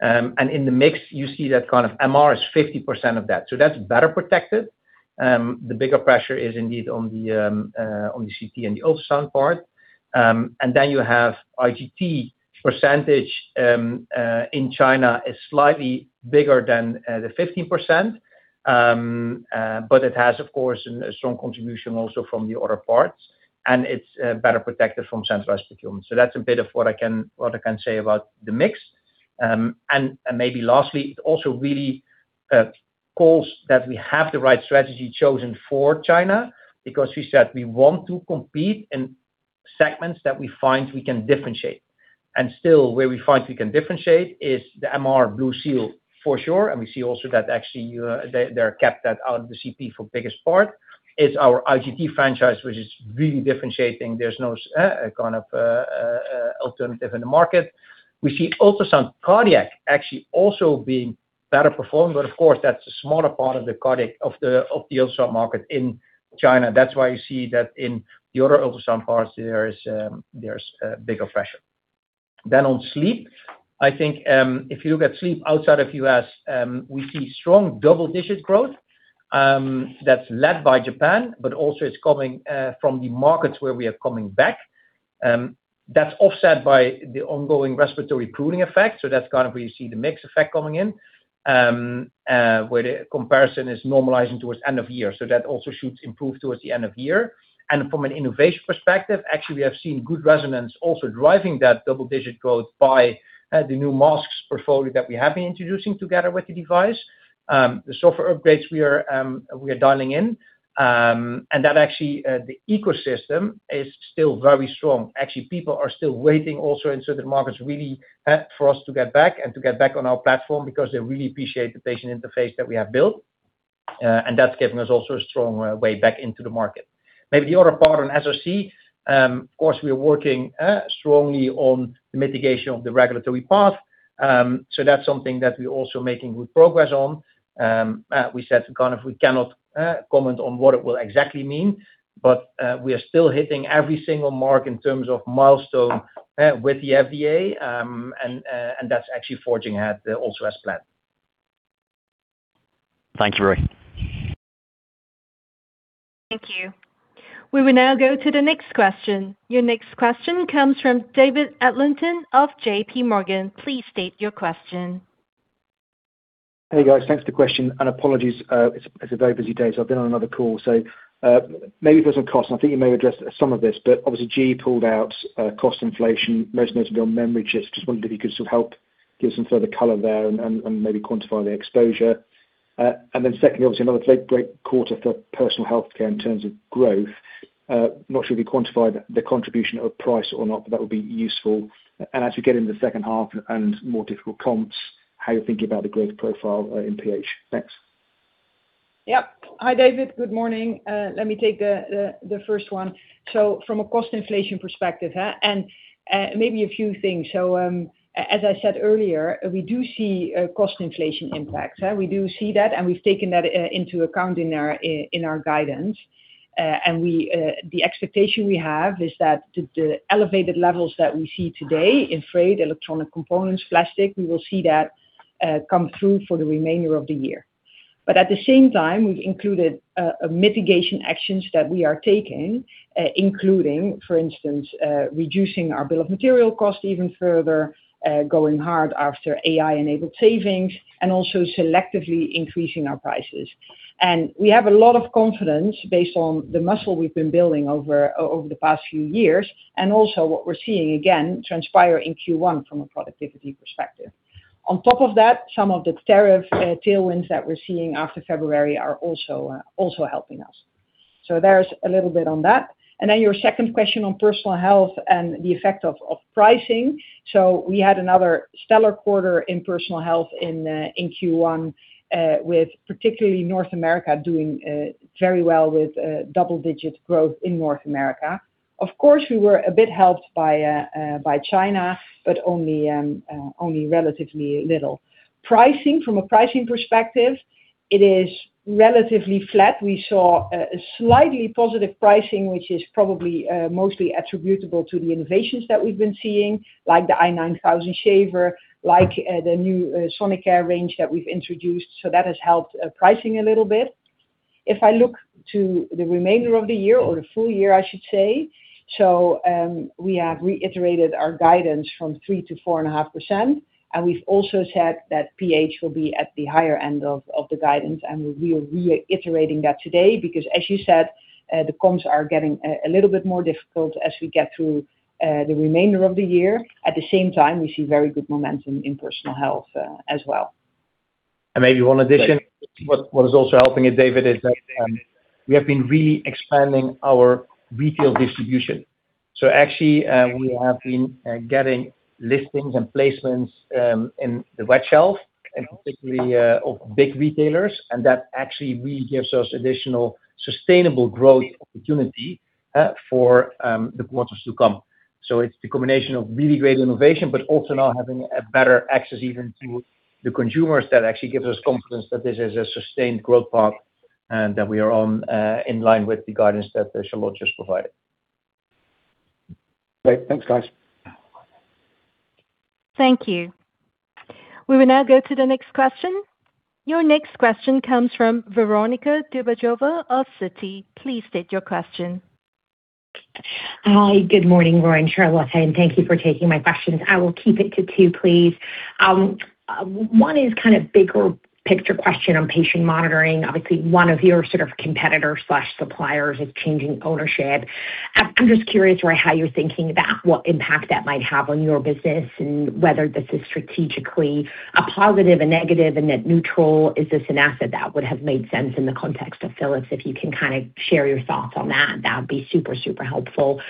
In the mix, you see that MR is 50% of that. That's better protected. The bigger pressure is indeed on the CT and the ultrasound part. Then you have IGT percentage in China is slightly bigger than the 15%. It has of course, a strong contribution also from the other parts, and it's better protected from centralized procurement. That's a bit of what I can say about the mix. Maybe lastly, it also really calls that we have the right strategy chosen for China because we said we want to compete in segments that we find we can differentiate. Still where we find we can differentiate is the MR BlueSeal for sure. We see also that actually, they kept that out of the CP for biggest part. It's our IGT franchise, which is really differentiating. There's no kind of alternative in the market. We see ultrasound cardiac actually also being better performed. But of course, that's a smaller part of the cardiac of the ultrasound market in China. That's why you see that in the other ultrasound parts, there is a bigger pressure. On sleep, I think, if you look at sleep outside of U.S., we see strong double-digit growth, that's led by Japan, but also it's coming from the markets where we are coming back. That's offset by the ongoing respiratory pruning effect. That's kind of where you see the mix effect coming in, where the comparison is normalizing towards end of year. That also should improve towards the end of year. From an innovation perspective, actually, we have seen good resonance also driving that double-digit growth by the new masks portfolio that we have been introducing together with the device. The software upgrades we are dialing in. That actually, the ecosystem is still very strong. Actually, people are still waiting also in certain markets really, for us to get back and to get back on our platform because they really appreciate the patient interface that we have built. That's giving us also a strong way back into the market. Maybe the other part on SRC, of course, we are working strongly on the mitigation of the regulatory path. That's something that we're also making good progress on. We said kind of we cannot comment on what it will exactly mean, but we are still hitting every single mark in terms of milestone with the FDA, and that's actually forging ahead also as planned. Thank you, Roy. Thank you. We will now go to the next question. Your next question comes from David Adlington of JPMorgan. Please state your question. Hey, guys. Thanks for the question. Apologies, it's a very busy day, so I've been on another call. Maybe for some costs, and I think you may address some of this, but obviously GE pulled out cost inflation, most notably on memory chips. Just wondering if you could sort of help give some further color there and maybe quantify the exposure. Secondly, obviously another great quarter for Personal Healthcare in terms of growth. I'm not sure if I quantified the contribution of price or not, but that would be useful. As we get into the second half and more difficult comps, how you're thinking about the growth profile in PH. Thanks. Yep. Hi, David. Good morning. Let me take the first one. From a cost inflation perspective, and maybe a few things. As I said earlier, we do see cost inflation impacts. We do see that, and we've taken that into account in our guidance. And we, the expectation we have is that the elevated levels that we see today in freight, electronic components, plastic, we will see that come through for the remainder of the year. At the same time, we've included mitigation actions that we are taking, including, for instance, reducing our bill of material costs even further, going hard after AI-enabled savings and also selectively increasing our prices. We have a lot of confidence based on the muscle we've been building over the past few years, and also what we're seeing, again, transpire in Q1 from a productivity perspective. Some of the tariff tailwinds that we're seeing after February are also helping us. There's a little bit on that. Your second question on Personal Health and the effect of pricing. We had another stellar quarter in Personal Health in Q1 with particularly North America doing very well with double-digit growth in North America. Of course, we were a bit helped by China, but only relatively little. Pricing, from a pricing perspective, it is relatively flat. We saw a slightly positive pricing, which is probably mostly attributable to the innovations that we've been seeing, like the i9000 Shaver, like the new Sonicare range that we've introduced. That has helped pricing a little bit. If I look to the remainder of the year or the full year, I should say, we have reiterated our guidance from 3%-4.5%, we've also said that PH will be at the higher end of the guidance. We are reiterating that today because as you said, the comps are getting a little bit more difficult as we get through the remainder of the year. At the same time, we see very good momentum in personal health as well. Maybe one addition. What, what is also helping it, David, is that we have been really expanding our retail distribution. Actually, we have been getting listings and placements in the wet shelf and particularly of big retailers. That actually really gives us additional sustainable growth opportunity for the quarters to come. It's the combination of really great innovation, but also now having a better access even to the consumers that actually gives us confidence that this is a sustained growth path, and that we are on in line with the guidance that Charlotte just provided. Great. Thanks, guys. Thank you. We will now go to the next question. Your next question comes from Veronika Dubajova of Citi. Please state your question. Hi. Good morning, Roy and Charlotte, thank you for taking my questions. I will keep it to two, please. One is kind of bigger picture question on patient monitoring. Obviously, one of your sort of competitor/suppliers is changing ownership. I'm just curious, Roy, how you're thinking about what impact that might have on your business and whether this is strategically a positive, a negative, a neutral. Is this an asset that would have made sense in the context of Philips? If you can kind of share your thoughts on that would be super helpful.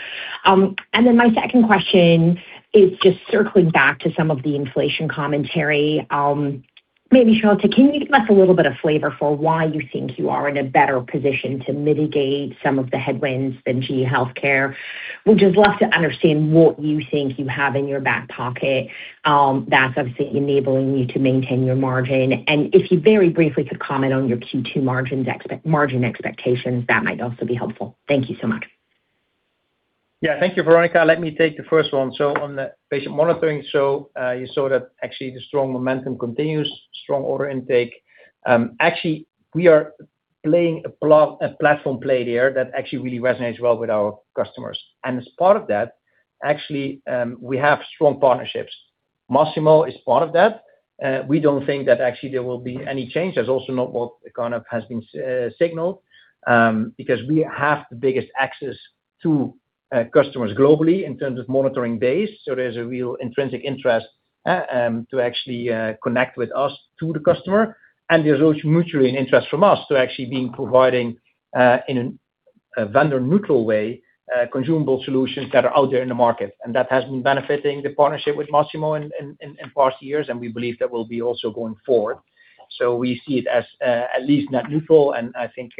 My second question is just circling back to some of the inflation commentary. Maybe, Charlotte, can you give us a little bit of flavor for why you think you are in a better position to mitigate some of the headwinds than GE HealthCare? We'd just love to understand what you think you have in your back pocket, that's obviously enabling you to maintain your margin. If you very briefly could comment on your Q2 margin expectations, that might also be helpful. Thank you so much. Thank you, Veronika. Let me take the first one. On the patient monitoring, you saw that actually the strong momentum continues, strong order intake. Actually, we are playing a platform play there that actually really resonates well with our customers. As part of that, actually, we have strong partnerships. Masimo is part of that. We don't think that actually there will be any change. That's also not what kind of has been signaled, because we have the biggest access to customers globally in terms of monitoring base. There's a real intrinsic interest to actually connect with us to the customer. There's also mutually an interest from us to actually being providing in a vendor neutral way consumable solutions that are out there in the market. That has been benefiting the partnership with Masimo in past years, and we believe that will be also going forward. We see it as at least net neutral, and I think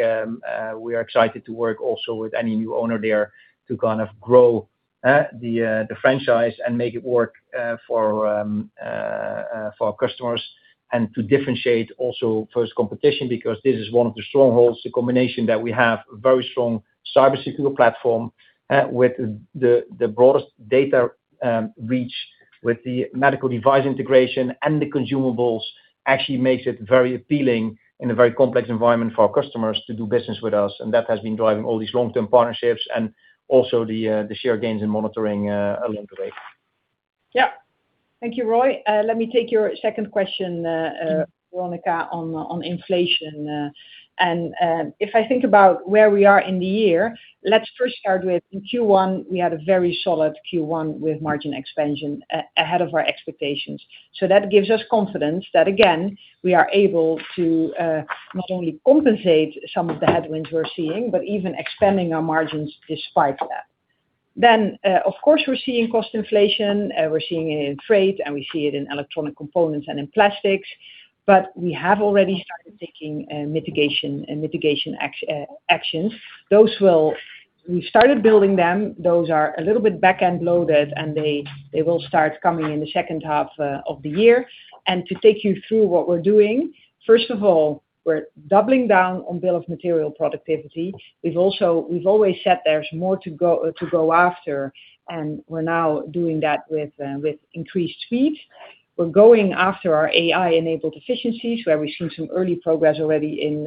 we are excited to work also with any new owner there to kind of grow the franchise and make it work for our customers and to differentiate also towards competition. This is one of the strongholds, the combination that we have very strong cybersecure platform with the broadest data reach with the medical device integration and the consumables actually makes it very appealing in a very complex environment for our customers to do business with us. That has been driving all these long-term partnerships and also the share gains in monitoring along the way. Yeah. Thank you, Roy. Let me take your second question Veronika, on inflation. If I think about where we are in the year, let's first start with in Q1, we had a very solid Q1 with margin expansion ahead of our expectations. That gives us confidence that again, we are able to not only compensate some of the headwinds we're seeing, but even expanding our margins despite that. Of course, we're seeing cost inflation, we're seeing it in freight, and we see it in electronic components and in plastics, but we have already started taking mitigation and mitigation actions. We started building them. Those are a little bit back-end loaded, and they will start coming in the second half of the year. To take you through what we're doing, first of all, we're doubling down on bill of material productivity. We've always said there's more to go after, and we're now doing that with increased speed. We're going after our AI-enabled efficiencies, where we've seen some early progress already in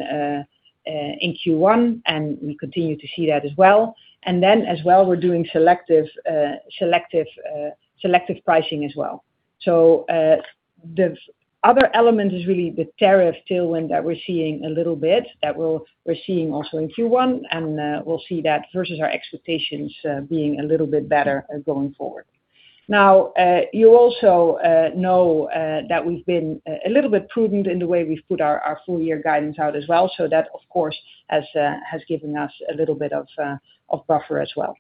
Q1, and we continue to see that as well. We're doing selective pricing as well. The other element is really the tariff tailwind that we're seeing a little bit, that we're seeing also in Q1, and we'll see that versus our expectations, being a little bit better, going forward. You also know that we've been a little bit prudent in the way we've put our full year guidance out as well. That, of course, has given us a little bit of buffer as well.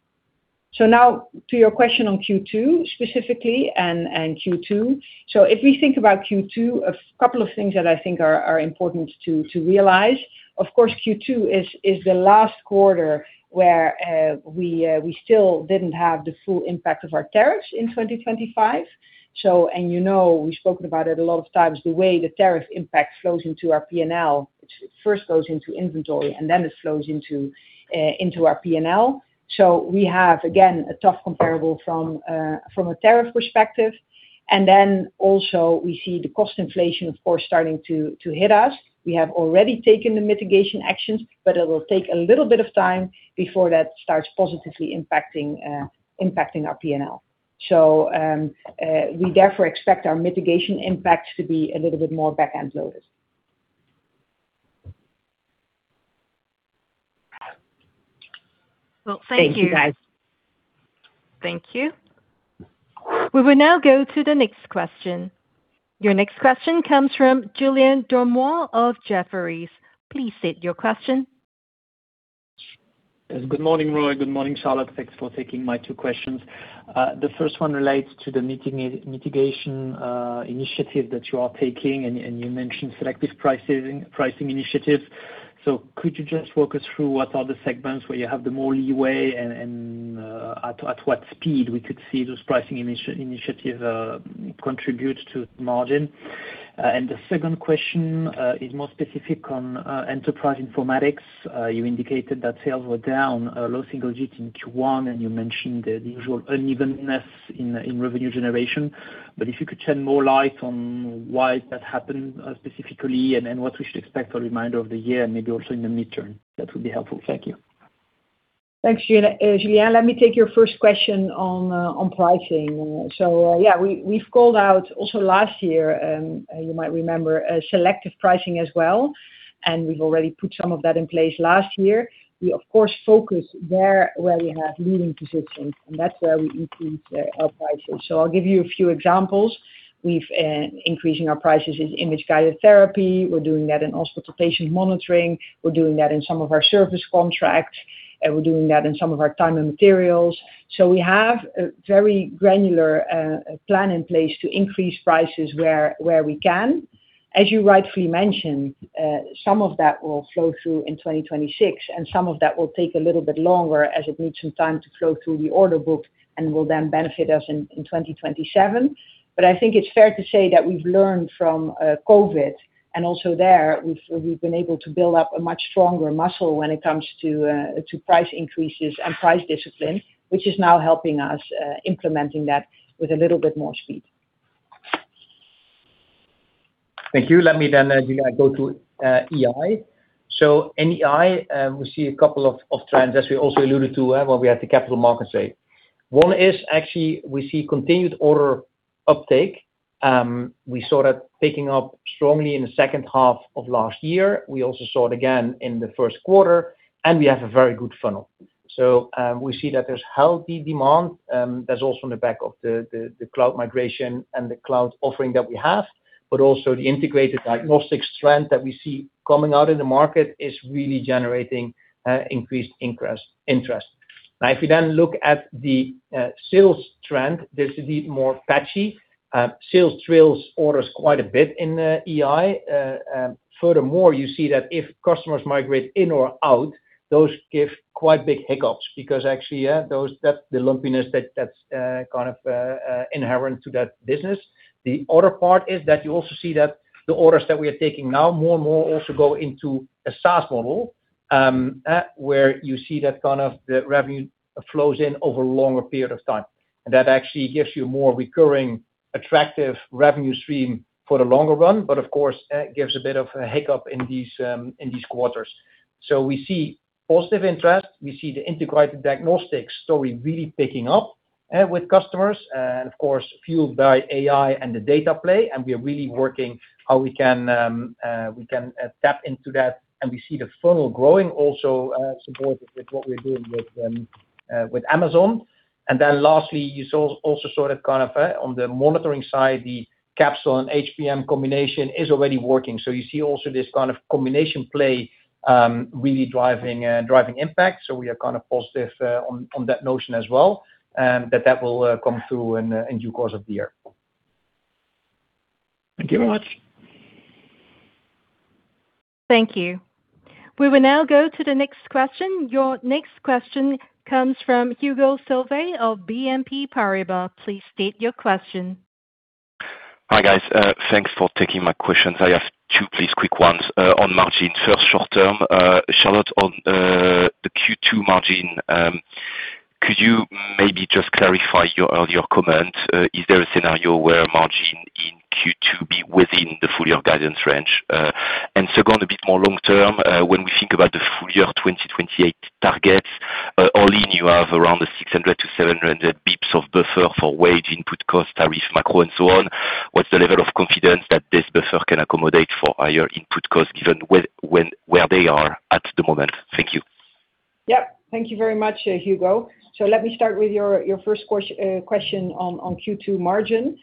Now to your question on Q2 specifically and Q2. If we think about Q2, a couple of things that I think are important to realize. Of course, Q2 is the last quarter where we still didn't have the full impact of our tariffs in 2025. You know, we've spoken about it a lot of times, the way the tariff impact flows into our P&L. It first goes into inventory, and then it flows into our P&L. We have, again, a tough comparable from a tariff perspective. Also we see the cost inflation, of course, starting to hit us. We have already taken the mitigation actions, but it will take a little bit of time before that starts positively impacting our P&L. We therefore expect our mitigation impact to be a little bit more back-end loaded. Well, thank you, guys. Thank you. We will now go to the next question. Your next question comes from Julien Dormois of Jefferies. Please state your question. Yes. Good morning, Roy. Good morning, Charlotte. Thanks for taking my two questions. The first one relates to the mitigation initiative that you are taking, and you mentioned selective pricing initiatives. Could you just walk us through what are the segments where you have the more leeway and at what speed we could see those pricing initiative contribute to margin? The second question is more specific on enterprise informatics. You indicated that sales were down a low single-digit in Q1, and you mentioned the usual unevenness in revenue generation. If you could shed more light on why that happened specifically and what we should expect for the remainder of the year and maybe also in the midterm, that would be helpful. Thank you. Thanks, Julien. Julien, let me take your first question on pricing. Yeah, we've called out also last year, you might remember, selective pricing as well, and we've already put some of that in place last year. We of course focus there where we have leading positions, and that's where we increase our prices. I'll give you a few examples. We've increasing our prices in Image-Guided Therapy. We're doing that in also to patient monitoring. We're doing that in some of our service contracts, and we're doing that in some of our time and materials. We have a very granular plan in place to increase prices where we can. As you rightfully mentioned, some of that will flow through in 2026, and some of that will take a little bit longer as it needs some time to flow through the order book and will then benefit us in 2027. I think it's fair to say that we've learned from COVID, and also there we've been able to build up a much stronger muscle when it comes to price increases and price discipline, which is now helping us implementing that with a little bit more speed. Thank you, Julien. Let me then go to EI. In EI, we see a couple of trends as we also alluded to when we had the capital markets day. One is actually we see continued order uptake. We saw that picking up strongly in the second half of last year. We also saw it again in the first quarter, and we have a very good funnel. We see that there's healthy demand that's also on the back of the cloud migration and the cloud offering that we have, but also the integrated diagnostics trend that we see coming out in the market is really generating increased interest. If you then look at the sales trend, this is indeed more patchy. Sales trails orders quite a bit in the EI. Furthermore, you see that if customers migrate in or out, those give quite big hiccups because actually, that's the lumpiness that's kind of inherent to that business. The other part is that you also see that the orders that we are taking now more and more also go into a SaaS model, where you see that kind of the revenue flows in over a longer period of time. That actually gives you more recurring attractive revenue stream for the longer run, but of course, gives a bit of a hiccup in these quarters. We see positive interest. We see the integrated diagnostics story really picking up with customers, and of course, fueled by AI and the data play, and we are really working how we can tap into that. We see the funnel growing also supportive with what we're doing with Amazon. Lastly, you saw also sort of kind of on the monitoring side, the Capsule and HPM combination is already working. You see also this kind of combination play really driving driving impact. we are kind of positive on that notion as well that that will come through in due course of the year. Thank you very much. Thank you. We will now go to the next question. Your next question comes from Hugo Solvet of BNP Paribas. Please state your question. Hi, guys. Thanks for taking my questions. I have two please quick ones on margin. First short term, Charlotte on the Q2 margin. Could you maybe just clarify your earlier comment, is there a scenario where margin in Q2 be within the full year guidance range? Second, a bit more long term, when we think about the full year 2028 targets, all in, you have around the 600 basis points-700 basis points of buffer for wage input cost, tariff, macro and so on. What's the level of confidence that this buffer can accommodate for higher input cost given where they are at the moment? Thank you. Thank you very much, Hugo. Let me start with your first question on Q2 margin.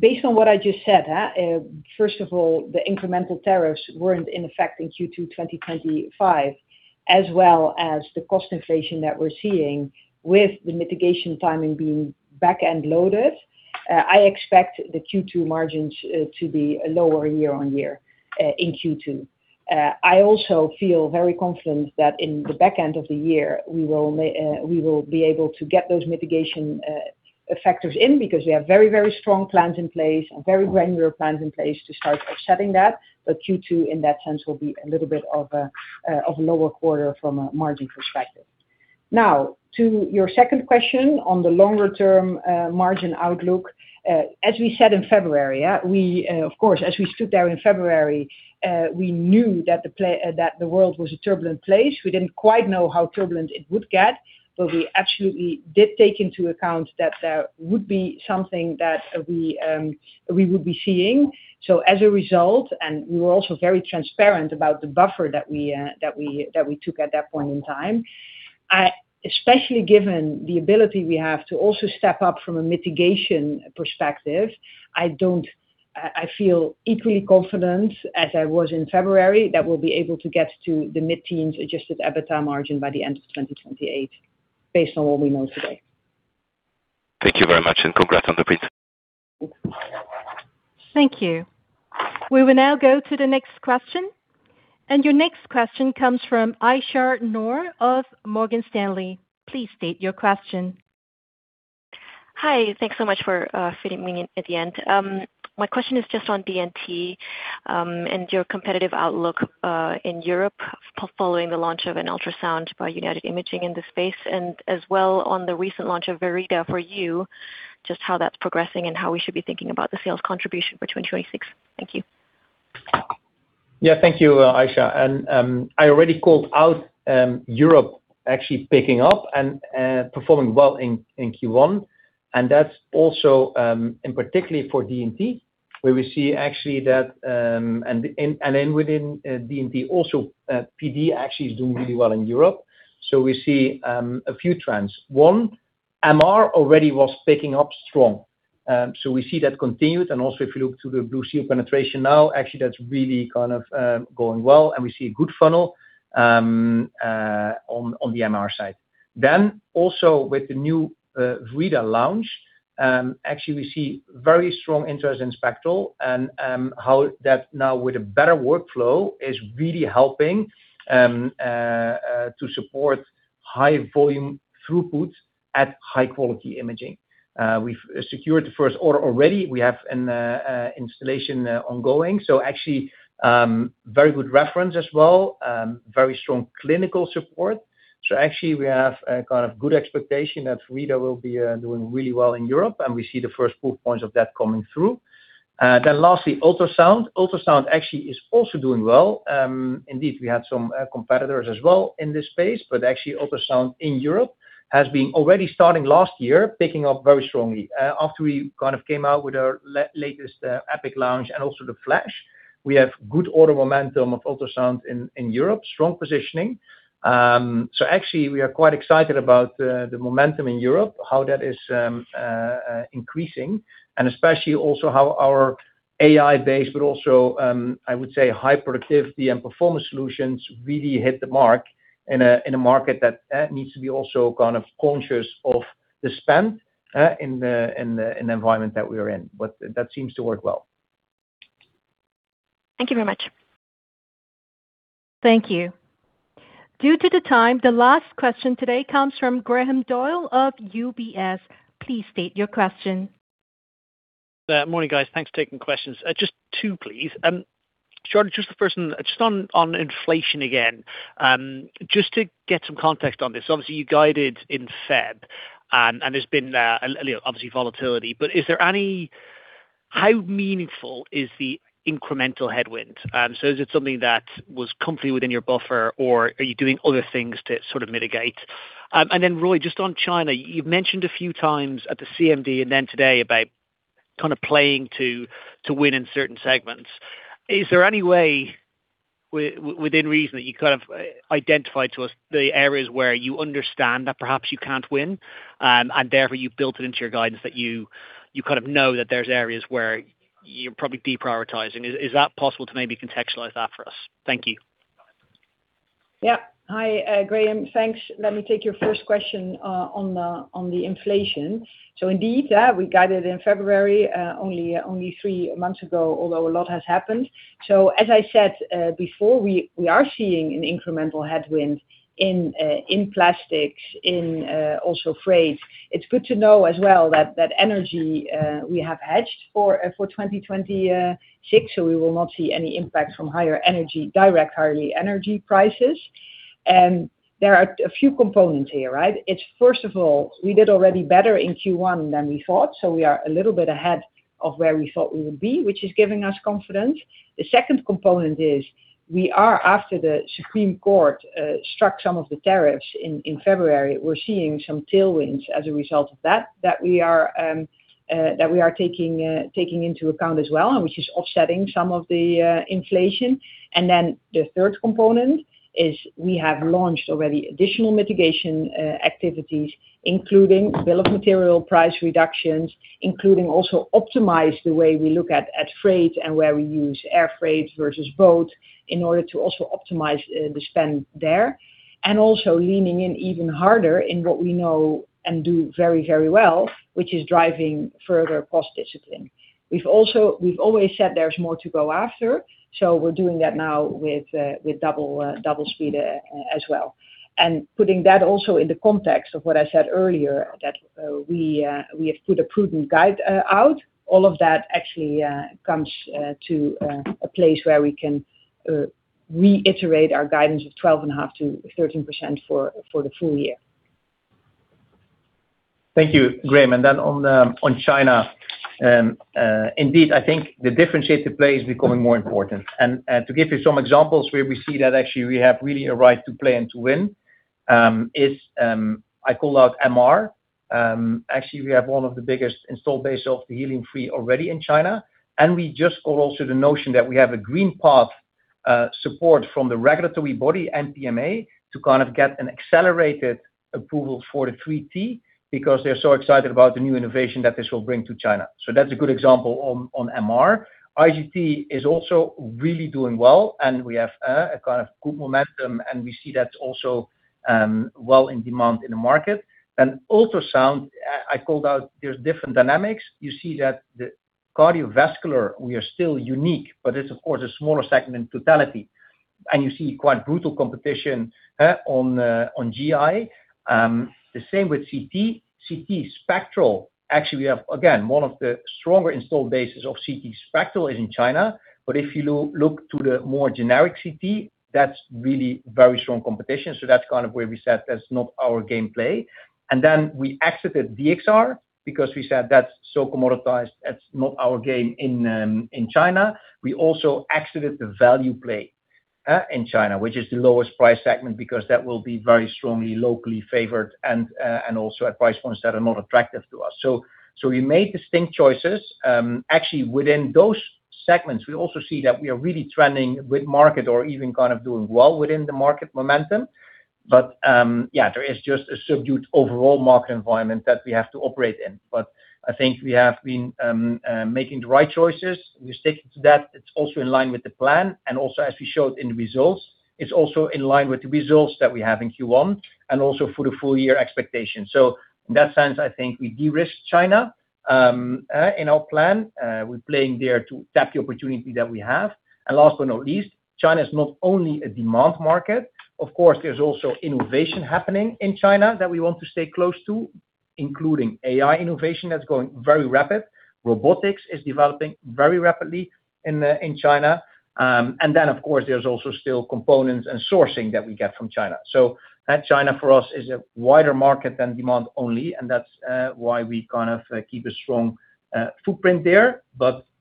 Based on what I just said, first of all, the incremental tariffs weren't in effect in Q2 2025, as well as the cost inflation that we're seeing with the mitigation timing being back-end loaded. I expect the Q2 margins to be lower year-on-year in Q2. I also feel very confident that in the back end of the year, we will be able to get those mitigation factors in because we have very strong plans in place and very granular plans in place to start offsetting that. Q2, in that sense, will be a little bit of a lower quarter from a margin perspective. Now, to your second question on the longer term margin outlook. As we said in February, of course, as we stood there in February, we knew that the world was a turbulent place. We didn't quite know how turbulent it would get, but we absolutely did take into account that there would be something that we would be seeing. As a result, and we were also very transparent about the buffer that we took at that point in time. Especially given the ability we have to also step up from a mitigation perspective, I feel equally confident as I was in February, that we'll be able to get to the mid-teens adjusted EBITDA margin by the end of 2028, based on what we know today. Thank you very much, and congrats on the beat. Thank you. We will now go to the next question. Your next question comes from Aisyah Noor of Morgan Stanley. Please state your question. Hi. Thanks so much for fitting me in at the end. My question is just on D&T, and your competitive outlook in Europe following the launch of an ultrasound by United Imaging in the space and as well on the recent launch of Verida for you, just how that's progressing and how we should be thinking about the sales contribution for 2026. Thank you. Thank you, Aisyah. I already called out Europe actually picking up and performing well in Q1. That's also, and particularly for D&T, where we see actually that and then within D&T also PD actually is doing really well in Europe. We see a few trends. One, MR already was picking up strong. We see that continued. If you look to the BlueSeal penetration now, actually that's really kind of going well, and we see a good funnel on the MR side. With the new Verida launch, actually, we see very strong interest in spectral and how that now with a better workflow is really helping to support high volume throughput at high quality imaging. We've secured the first order already. We have an installation ongoing. Very good reference as well, very strong clinical support. We have a kind of good expectation that Verida will be doing really well in Europe, and we see the first proof points of that coming through. Lastly, ultrasound. Ultrasound actually is also doing well. Indeed, we had some competitors as well in this space, actually ultrasound in Europe has been already starting last year, picking up very strongly. After we kind of came out with our latest EPIQ launch and also the Flash. We have good order momentum of ultrasound in Europe, strong positioning. Actually we are quite excited about the momentum in Europe, how that is increasing and especially also how our AI-based, but also, I would say high productivity and performance solutions really hit the mark in a market that needs to be also kind of conscious of the spend in the environment that we are in. That seems to work well. Thank you very much. Thank you. Due to the time, the last question today comes from Graham Doyle of UBS. Please state your question. Morning, guys. Thanks for taking questions. Just two, please. Charlotte, just the first one. Just on inflation again, just to get some context on this. Obviously, you guided in Feb, there's been obviously volatility. How meaningful is the incremental headwind? Is it something that was completely within your buffer, or are you doing other things to sort of mitigate? Roy, just on China, you've mentioned a few times at the CMD and today about kind of playing to win in certain segments. Is there any way within reason that you kind of identify to us the areas where you understand that perhaps you can't win, and therefore you've built it into your guidance that you kind of know that there's areas where you're probably deprioritizing? Is that possible to maybe contextualize that for us? Thank you. Hi, Graham. Thanks. Let me take your first question on the inflation. Indeed, we guided in February, only three months ago, although a lot has happened. As I said before, we are seeing an incremental headwind in plastics, in also freight. It is good to know as well that energy we have hedged for 2026, so we will not see any impact from higher energy direct higher energy prices. There are a few components here, right? First of all, we did already better in Q1 than we thought, so we are a little bit ahead of where we thought we would be, which is giving us confidence. The second component is we are after the Supreme Court struck some of the tariffs in February. We're seeing some tailwinds as a result of that we are taking into account as well, and which is offsetting some of the inflation. The third component is we have launched already additional mitigation activities, including bill of material price reductions, including also optimize the way we look at freight and where we use air freight versus boat in order to also optimize the spend there. Also leaning in even harder in what we know and do very, very well, which is driving further cost discipline. We've always said there's more to go after, so we're doing that now with double speed as well. Putting that also in the context of what I said earlier, that we have put a prudent guide out. All of that actually comes to a place where we can reiterate our guidance of 12.5%-13% for the full year. Thank you, Graham. Then on China, indeed, I think the differentiated play is becoming more important. To give you some examples where we see that actually we have really a right to play and to win, I call out MR. Actually, we have one of the biggest installed base of the helium-free already in China, and we just got also the notion that we have a green path support from the regulatory body, NMPA, to kind of get an accelerated approval for the 3T because they're so excited about the new innovation that this will bring to China. That's a good example on MR. IGT is also really doing well, and we have a kind of good momentum, and we see that also well in demand in the market. Ultrasound, I called out there's different dynamics. You see that the cardiovascular, we are still unique, but it's of course a smaller segment in totality. You see quite brutal competition on GI. The same with CT. CT spectral, actually, we have again, one of the stronger installed bases of CT spectral is in China. If you look to the more generic CT, that's really very strong competition. That's kind of where we said that's not our gameplay. Then we exited DXR because we said that's so commoditized, that's not our game in China. We also exited the value play in China, which is the lowest price segment because that will be very strongly locally favored and also at price points that are not attractive to us. We made distinct choices. Actually within those segments, we also see that we are really trending with market or even kind of doing well within the market momentum. There is just a subdued overall market environment that we have to operate in. I think we have been making the right choices. We stick to that. It's also in line with the plan and also as we showed in the results. It's also in line with the results that we have in Q1 and also for the full year expectations. In that sense, I think we de-risked China in our plan. We're playing there to tap the opportunity that we have. Last but not least, China is not only a demand market. Of course, there's also innovation happening in China that we want to stay close to, including AI innovation that's going very rapid. Robotics is developing very rapidly in China. Then of course, there's also still components and sourcing that we get from China. China for us is a wider market than demand only, and that's why we kind of keep a strong footprint there.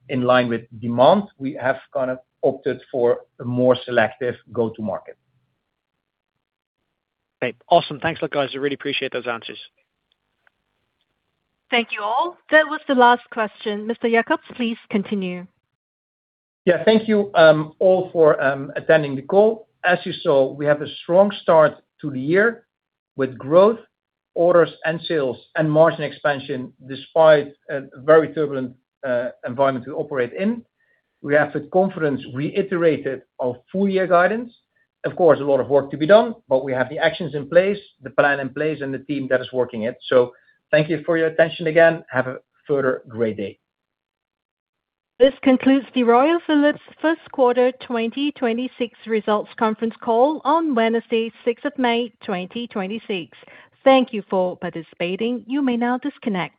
In line with demand, we have kind of opted for a more selective go-to-market. Okay. Awesome. Thanks a lot, guys. I really appreciate those answers. Thank you, all. That was the last question. Mr. Jakobs, please continue. Yeah. Thank you, all for attending the call. As you saw, we have a strong start to the year with growth, orders and sales and margin expansion despite a very turbulent environment to operate in. We have with confidence reiterated our full year guidance. Of course, a lot of work to be done, but we have the actions in place, the plan in place and the team that is working it. Thank you for your attention again. Have a further great day. This concludes the Royal Philips First Quarter 2026 Results Conference Call on Wednesday, 6th of May, 2026. Thank you for participating. You may now disconnect.